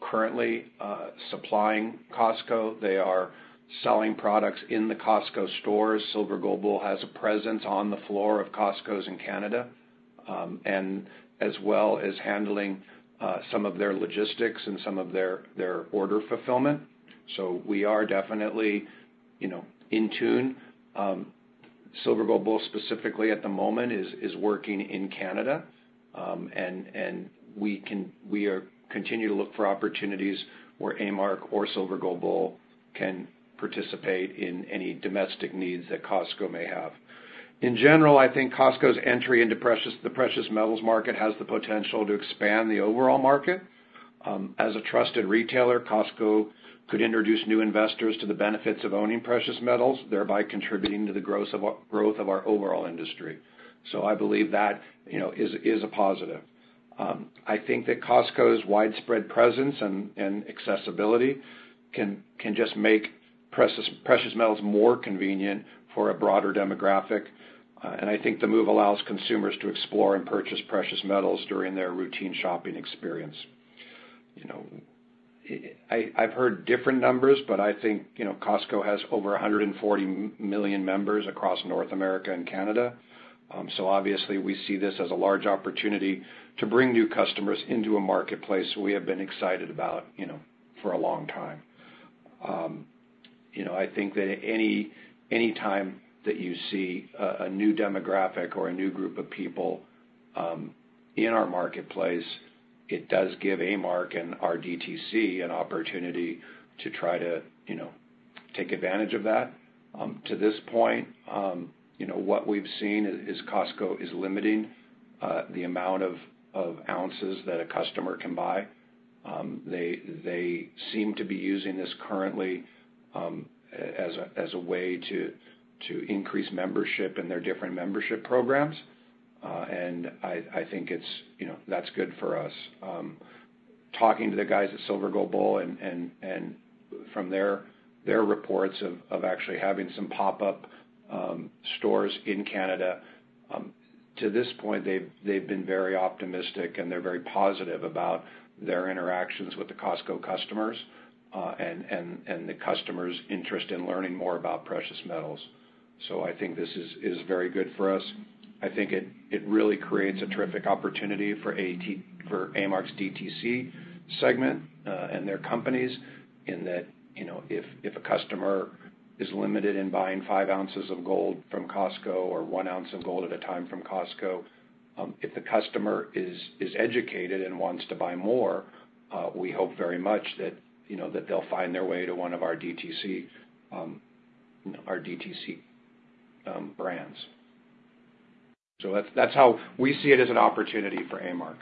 Speaker 2: currently supplying Costco. They are selling products in the Costco stores. Silver Gold Bull has a presence on the floor of Costco's in Canada, and as well as handling some of their logistics and some of their order fulfillment. So we are definitely, you know, in tune. Silver Gold Bull, specifically at the moment, is working in Canada. And we are continue to look for opportunities where A-Mark or Silver Gold Bull can participate in any domestic needs that Costco may have. In general, I think Costco's entry into the precious metals market has the potential to expand the overall market. As a trusted retailer, Costco could introduce new investors to the benefits of owning precious metals, thereby contributing to the growth of our overall industry. So I believe that, you know, is a positive. I think that Costco's widespread presence and accessibility can just make precious metals more convenient for a broader demographic. And I think the move allows consumers to explore and purchase precious metals during their routine shopping experience. You know, I've heard different numbers, but I think, you know, Costco has over 140 million members across North America and Canada. So obviously, we see this as a large opportunity to bring new customers into a marketplace we have been excited about, you know, for a long time. You know, I think that any time that you see a new demographic or a new group of people in our marketplace, it does give A-Mark and our DTC an opportunity to try to, you know, take advantage of that. To this point, you know, what we've seen is Costco is limiting the amount of ounces that a customer can buy. They seem to be using this currently as a way to increase membership in their different membership programs. And I think it's, you know, that's good for us. Talking to the guys at Silver Gold Bull and from their reports of actually having some pop-up stores in Canada, to this point, they've been very optimistic, and they're very positive about their interactions with the Costco customers and the customers' interest in learning more about precious metals. So I think this is very good for us. I think it really creates a terrific opportunity for A-Mark's DTC segment, and their companies in that, you know, if a customer is limited in buying 5 oz of gold from Costco or 1 oz of gold at a time from Costco, if the customer is educated and wants to buy more, we hope very much that, you know, that they'll find their way to one of our DTC brands. So that's how we see it as an opportunity for A-Mark.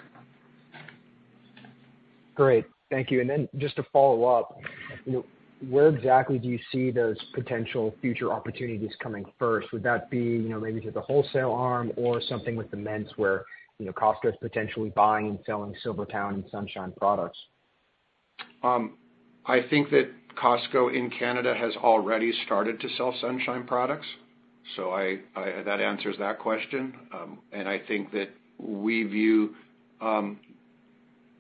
Speaker 9: Great. Thank you. And then just to follow up, you know, where exactly do you see those potential future opportunities coming first? Would that be, you know, maybe through the wholesale arm or something with the mints where, you know, Costco is potentially buying and selling SilverTowne and Sunshine products?
Speaker 2: I think that Costco in Canada has already started to sell Sunshine products, so that answers that question. And I think that we view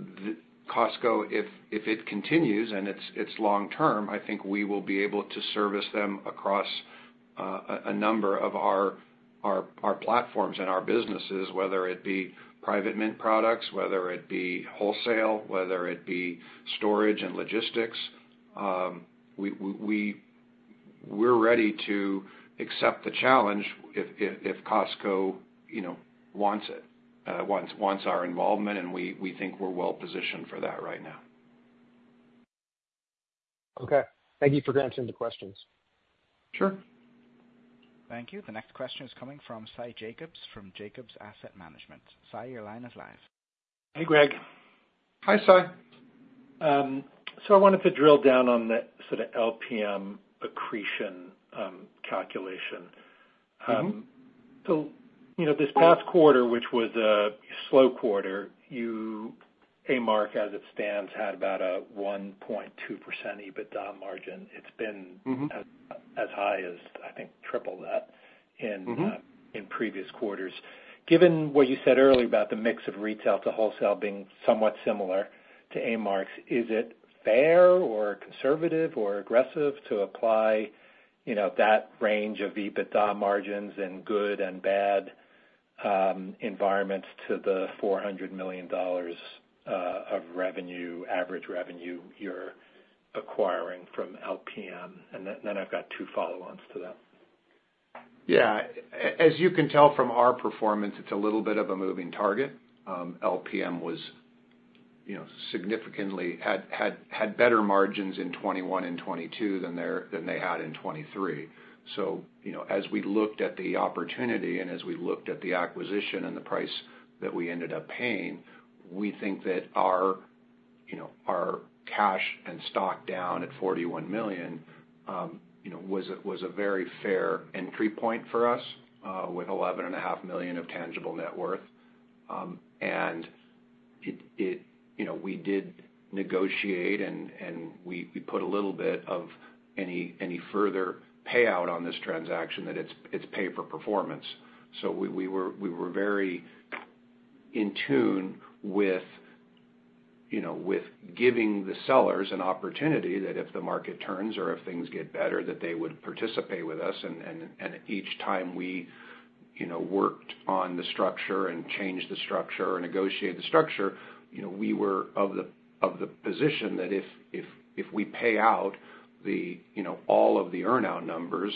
Speaker 2: the Costco, if it continues and it's long term, I think we will be able to service them across a number of our platforms and our businesses, whether it be private mint products, whether it be wholesale, whether it be storage and logistics. We're ready to accept the challenge if Costco, you know, wants it, wants our involvement, and we think we're well positioned for that right now.
Speaker 9: Okay. Thank you for granting the questions.
Speaker 2: Sure.
Speaker 1: Thank you. The next question is coming from Sy Jacobs, from Jacobs Asset Management. Sy, your line is live.
Speaker 10: Hey, Greg.
Speaker 2: Hi, Sy.
Speaker 10: So I wanted to drill down on the sort of LPM accretion, calculation.
Speaker 2: Mm-hmm.
Speaker 10: So, you know, this past quarter, which was a slow quarter, you A-Mark, as it stands, had about a 1.2% EBITDA margin. It's been-
Speaker 2: Mm-hmm
Speaker 10: as high as, I think, triple that in-
Speaker 2: Mm-hmm...
Speaker 10: in previous quarters. Given what you said earlier about the mix of retail to wholesale being somewhat similar to A-Mark's, is it fair or conservative or aggressive to apply, you know, that range of EBITDA margins in good and bad environments to the $400 million of revenue, average revenue you're acquiring from LPM? And then I've got two follow-ons to that.
Speaker 2: Yeah. As you can tell from our performance, it's a little bit of a moving target. LPM was, you know, significantly had better margins in 2021 and 2022 than they had in 2023. So, you know, as we looked at the opportunity and as we looked at the acquisition and the price that we ended up paying, we think that our, you know, our cash and stock down at $41 million, you know, was a very fair entry point for us, with $11.5 million of tangible net worth. You know, we did negotiate, and we put a little bit of any further payout on this transaction, that it's pay for performance. So we were very in tune with, you know, with giving the sellers an opportunity that if the market turns or if things get better, that they would participate with us. And each time we, you know, worked on the structure and changed the structure or negotiated the structure, you know, we were of the position that if we pay out the, you know, all of the earn-out numbers,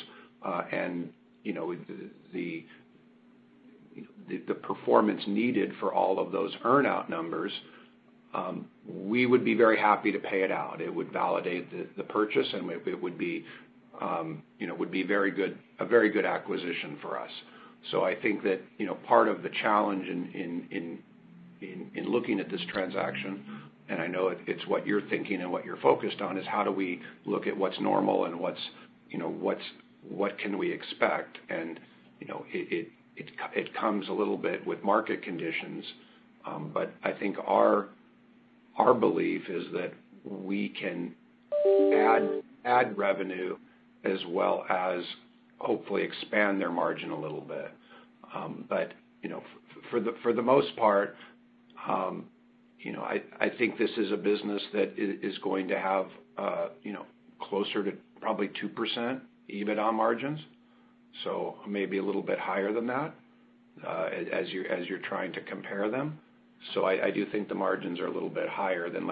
Speaker 2: and, you know, the performance needed for all of those earn-out numbers, we would be very happy to pay it out. It would validate the purchase, and it would be, you know, a very good acquisition for us. So I think that, you know, part of the challenge in looking at this transaction, and I know it's what you're thinking and what you're focused on, is how do we look at what's normal and what's, you know, what can we expect? And, you know, it comes a little bit with market conditions, but I think our belief is that we can add revenue as well as hopefully expand their margin a little bit. But, you know, for the most part, you know, I think this is a business that is going to have, you know, closer to probably 2% EBITDA margins, so maybe a little bit higher than that, as you're trying to compare them. So I do think the margins are a little bit higher than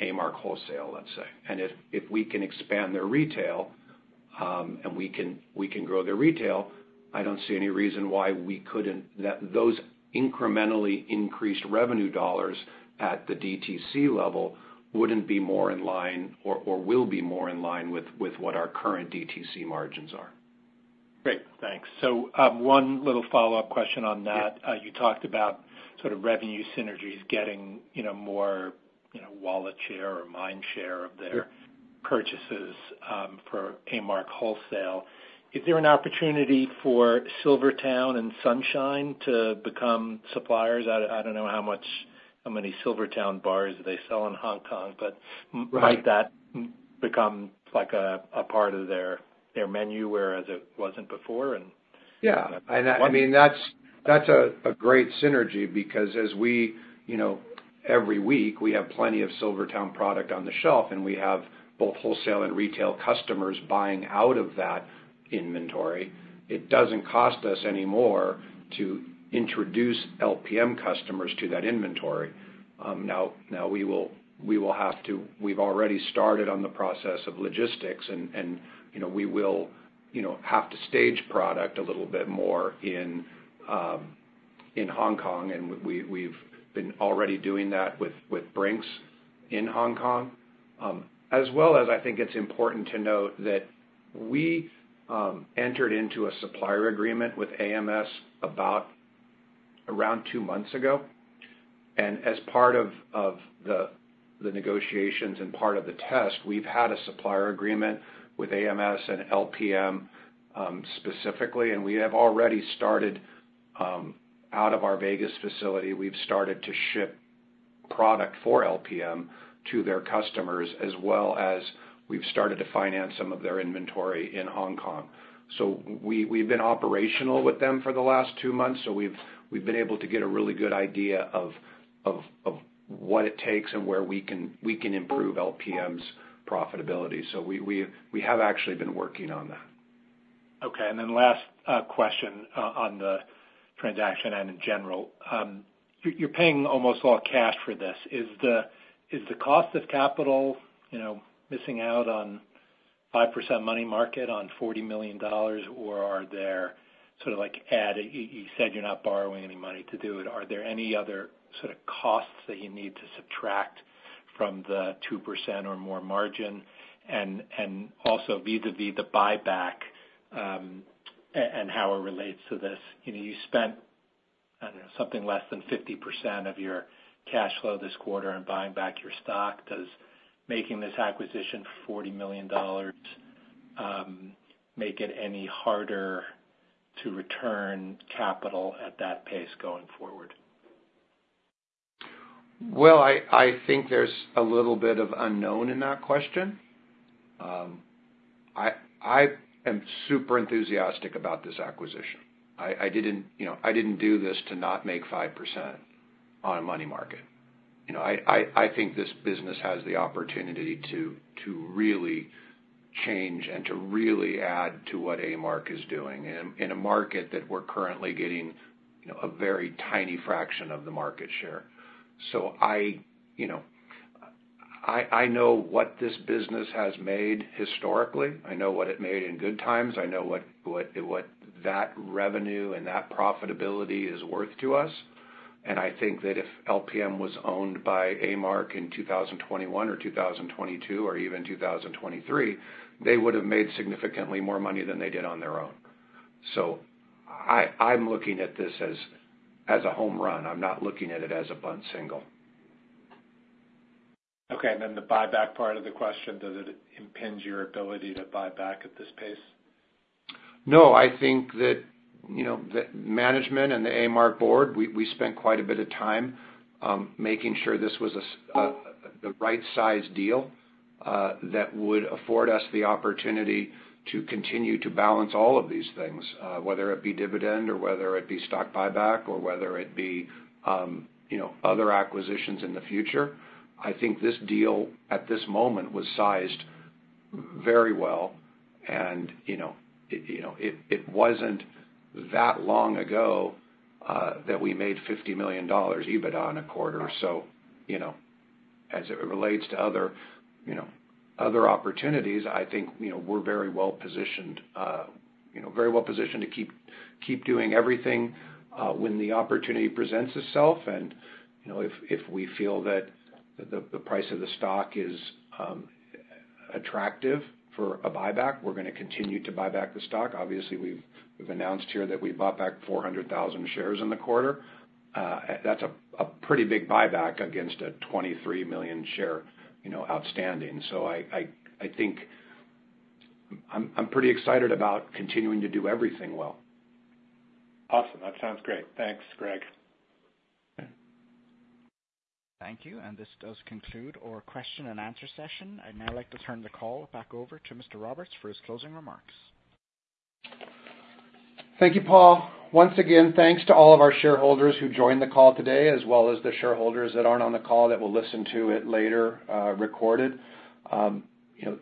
Speaker 2: A-Mark Wholesale, let's say. And if we can expand their retail and we can grow their retail, I don't see any reason why we couldn't. That those incrementally increased revenue dollars at the DTC level wouldn't be more in line or will be more in line with what our current DTC margins are.
Speaker 10: Great. Thanks. So, one little follow-up question on that.
Speaker 2: Yeah.
Speaker 10: you talked about sort of revenue synergies getting, you know, more, you know, wallet share or mind share of their-
Speaker 2: Sure
Speaker 10: - purchases for A-Mark Wholesale. Is there an opportunity for SilverTowne and Sunshine to become suppliers? I don't know how much, how many SilverTowne bars they sell in Hong Kong, but-
Speaker 2: Right...
Speaker 10: might that become, like, a part of their menu, whereas it wasn't before and?
Speaker 2: Yeah.
Speaker 10: And I-
Speaker 2: I mean, that's a great synergy because as we, you know, every week, we have plenty of SilverTowne product on the shelf, and we have both wholesale and retail customers buying out of that inventory. It doesn't cost us any more to introduce LPM customers to that inventory. Now we will have to. We've already started on the process of logistics and, you know, we will, you know, have to stage product a little bit more in Hong Kong, and we've been already doing that with Brink's in Hong Kong. As well as I think it's important to note that we entered into a supplier agreement with AMS about around two months ago. As part of the negotiations and part of the test, we've had a supplier agreement with AMS and LPM, specifically, and we have already started out of our Vegas facility to ship product for LPM to their customers, as well as we've started to finance some of their inventory in Hong Kong. We've been operational with them for the last two months, so we've been able to get a really good idea of what it takes and where we can improve LPM's profitability. We have actually been working on that....
Speaker 10: Okay, and then last question on the transaction and in general. You, you're paying almost all cash for this. Is the cost of capital, you know, missing out on 5% money market on $40 million? Or are there sort of like you said you're not borrowing any money to do it, are there any other sort of costs that you need to subtract from the 2% or more margin? And also vis-a-vis the buyback, and how it relates to this. You know, you spent, I don't know, something less than 50% of your cash flow this quarter on buying back your stock. Does making this acquisition for $40 million make it any harder to return capital at that pace going forward?
Speaker 2: Well, I think there's a little bit of unknown in that question. I am super enthusiastic about this acquisition. I didn't, you know, I didn't do this to not make 5% on a money market. You know, I think this business has the opportunity to really change and to really add to what A-Mark is doing in a market that we're currently getting, you know, a very tiny fraction of the market share. So I, you know, I know what this business has made historically. I know what it made in good times. I know what that revenue and that profitability is worth to us, and I think that if LPM was owned by A-Mark in 2021 or 2022, or even 2023, they would've made significantly more money than they did on their own. So I'm looking at this as a home run. I'm not looking at it as a bunt single.
Speaker 10: Okay, and then the buyback part of the question, does it impinge your ability to buy back at this pace?
Speaker 2: No, I think that, you know, the management and the A-Mark board, we spent quite a bit of time making sure this was the right size deal that would afford us the opportunity to continue to balance all of these things, whether it be dividend or whether it be stock buyback, or whether it be, you know, other acquisitions in the future. I think this deal, at this moment, was sized very well. You know, it wasn't that long ago that we made $50 million EBITDA in a quarter. So, you know, as it relates to other, you know, other opportunities, I think, you know, we're very well positioned, you know, very well positioned to keep doing everything when the opportunity presents itself. And, you know, if we feel that the price of the stock is attractive for a buyback, we're gonna continue to buy back the stock. Obviously, we've announced here that we bought back 400,000 shares in the quarter. That's a pretty big buyback against a 23 million share, you know, outstanding. So I think I'm pretty excited about continuing to do everything well.
Speaker 10: Awesome. That sounds great. Thanks, Greg.
Speaker 1: Thank you, and this does conclude our question and answer session. I'd now like to turn the call back over to Mr. Roberts for his closing remarks.
Speaker 2: Thank you, Paul. Once again, thanks to all of our shareholders who joined the call today, as well as the shareholders that aren't on the call that will listen to it later, recorded. You know,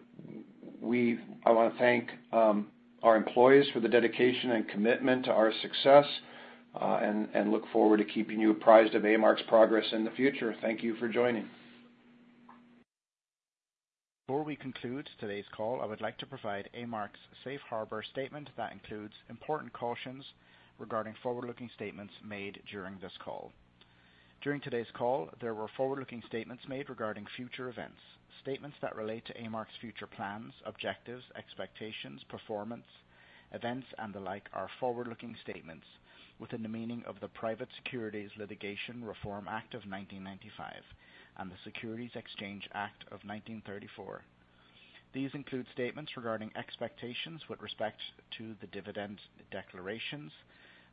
Speaker 2: I wanna thank our employees for the dedication and commitment to our success, and look forward to keeping you apprised of A-Mark's progress in the future. Thank you for joining.
Speaker 1: Before we conclude today's call, I would like to provide A-Mark's Safe Harbor statement that includes important cautions regarding forward-looking statements made during this call. During today's call, there were forward-looking statements made regarding future events. Statements that relate to A-Mark's future plans, objectives, expectations, performance, events, and the like, are forward-looking statements within the meaning of the Private Securities Litigation Reform Act of 1995, and the Securities Exchange Act of 1934. These include statements regarding expectations with respect to the dividend declarations,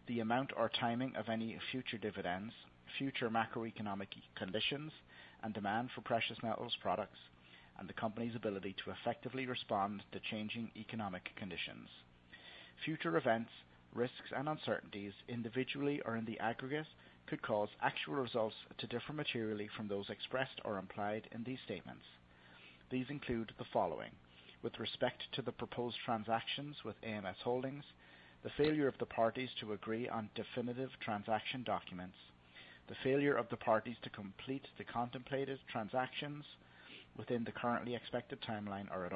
Speaker 1: the amount or timing of any future dividends, future macroeconomic conditions, and demand for precious metals products, and the company's ability to effectively respond to changing economic conditions. Future events, risks, and uncertainties, individually or in the aggregate, could cause actual results to differ materially from those expressed or implied in these statements. These include the following: With respect to the proposed transactions with AMS Holding, the failure of the parties to agree on definitive transaction documents, the failure of the parties to complete the contemplated transactions within the currently expected timeline or at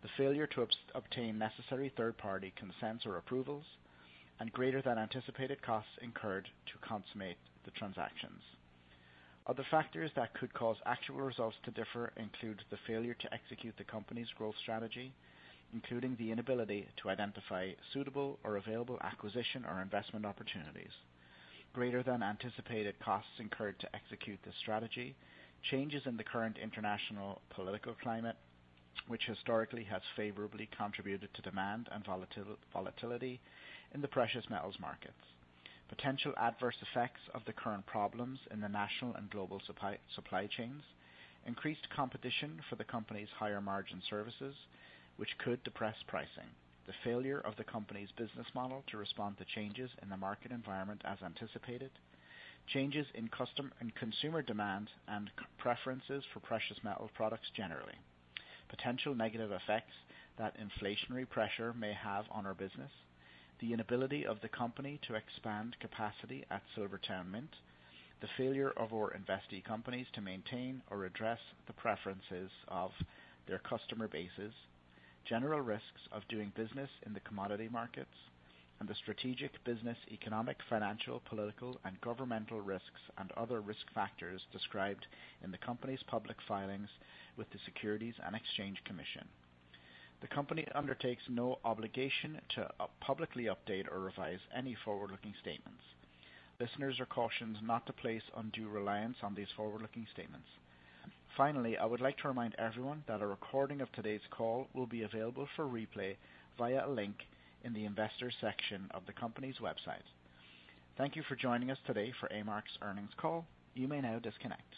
Speaker 1: all, the failure to obtain necessary third-party consents or approvals, and greater than anticipated costs incurred to consummate the transactions. Other factors that could cause actual results to differ include the failure to execute the company's growth strategy, including the inability to identify suitable or available acquisition or investment opportunities. Greater than anticipated costs incurred to execute this strategy, changes in the current international political climate, which historically has favorably contributed to demand and volatility in the precious metals markets. Potential adverse effects of the current problems in the national and global supply chains. Increased competition for the company's higher margin services, which could depress pricing. The failure of the company's business model to respond to changes in the market environment as anticipated. Changes in customer and consumer demand and consumer preferences for precious metal products generally. Potential negative effects that inflationary pressure may have on our business. The inability of the company to expand capacity at SilverTowne Mint. The failure of our investee companies to maintain or address the preferences of their customer bases. General risks of doing business in the commodity markets and the strategic business, economic, financial, political, and governmental risks, and other risk factors described in the company's public filings with the Securities and Exchange Commission. The company undertakes no obligation to publicly update or revise any forward-looking statements. Listeners are cautioned not to place undue reliance on these forward-looking statements. Finally, I would like to remind everyone that a recording of today's call will be available for replay via a link in the Investors section of the company's website. Thank you for joining us today for A-Mark's earnings call. You may now disconnect.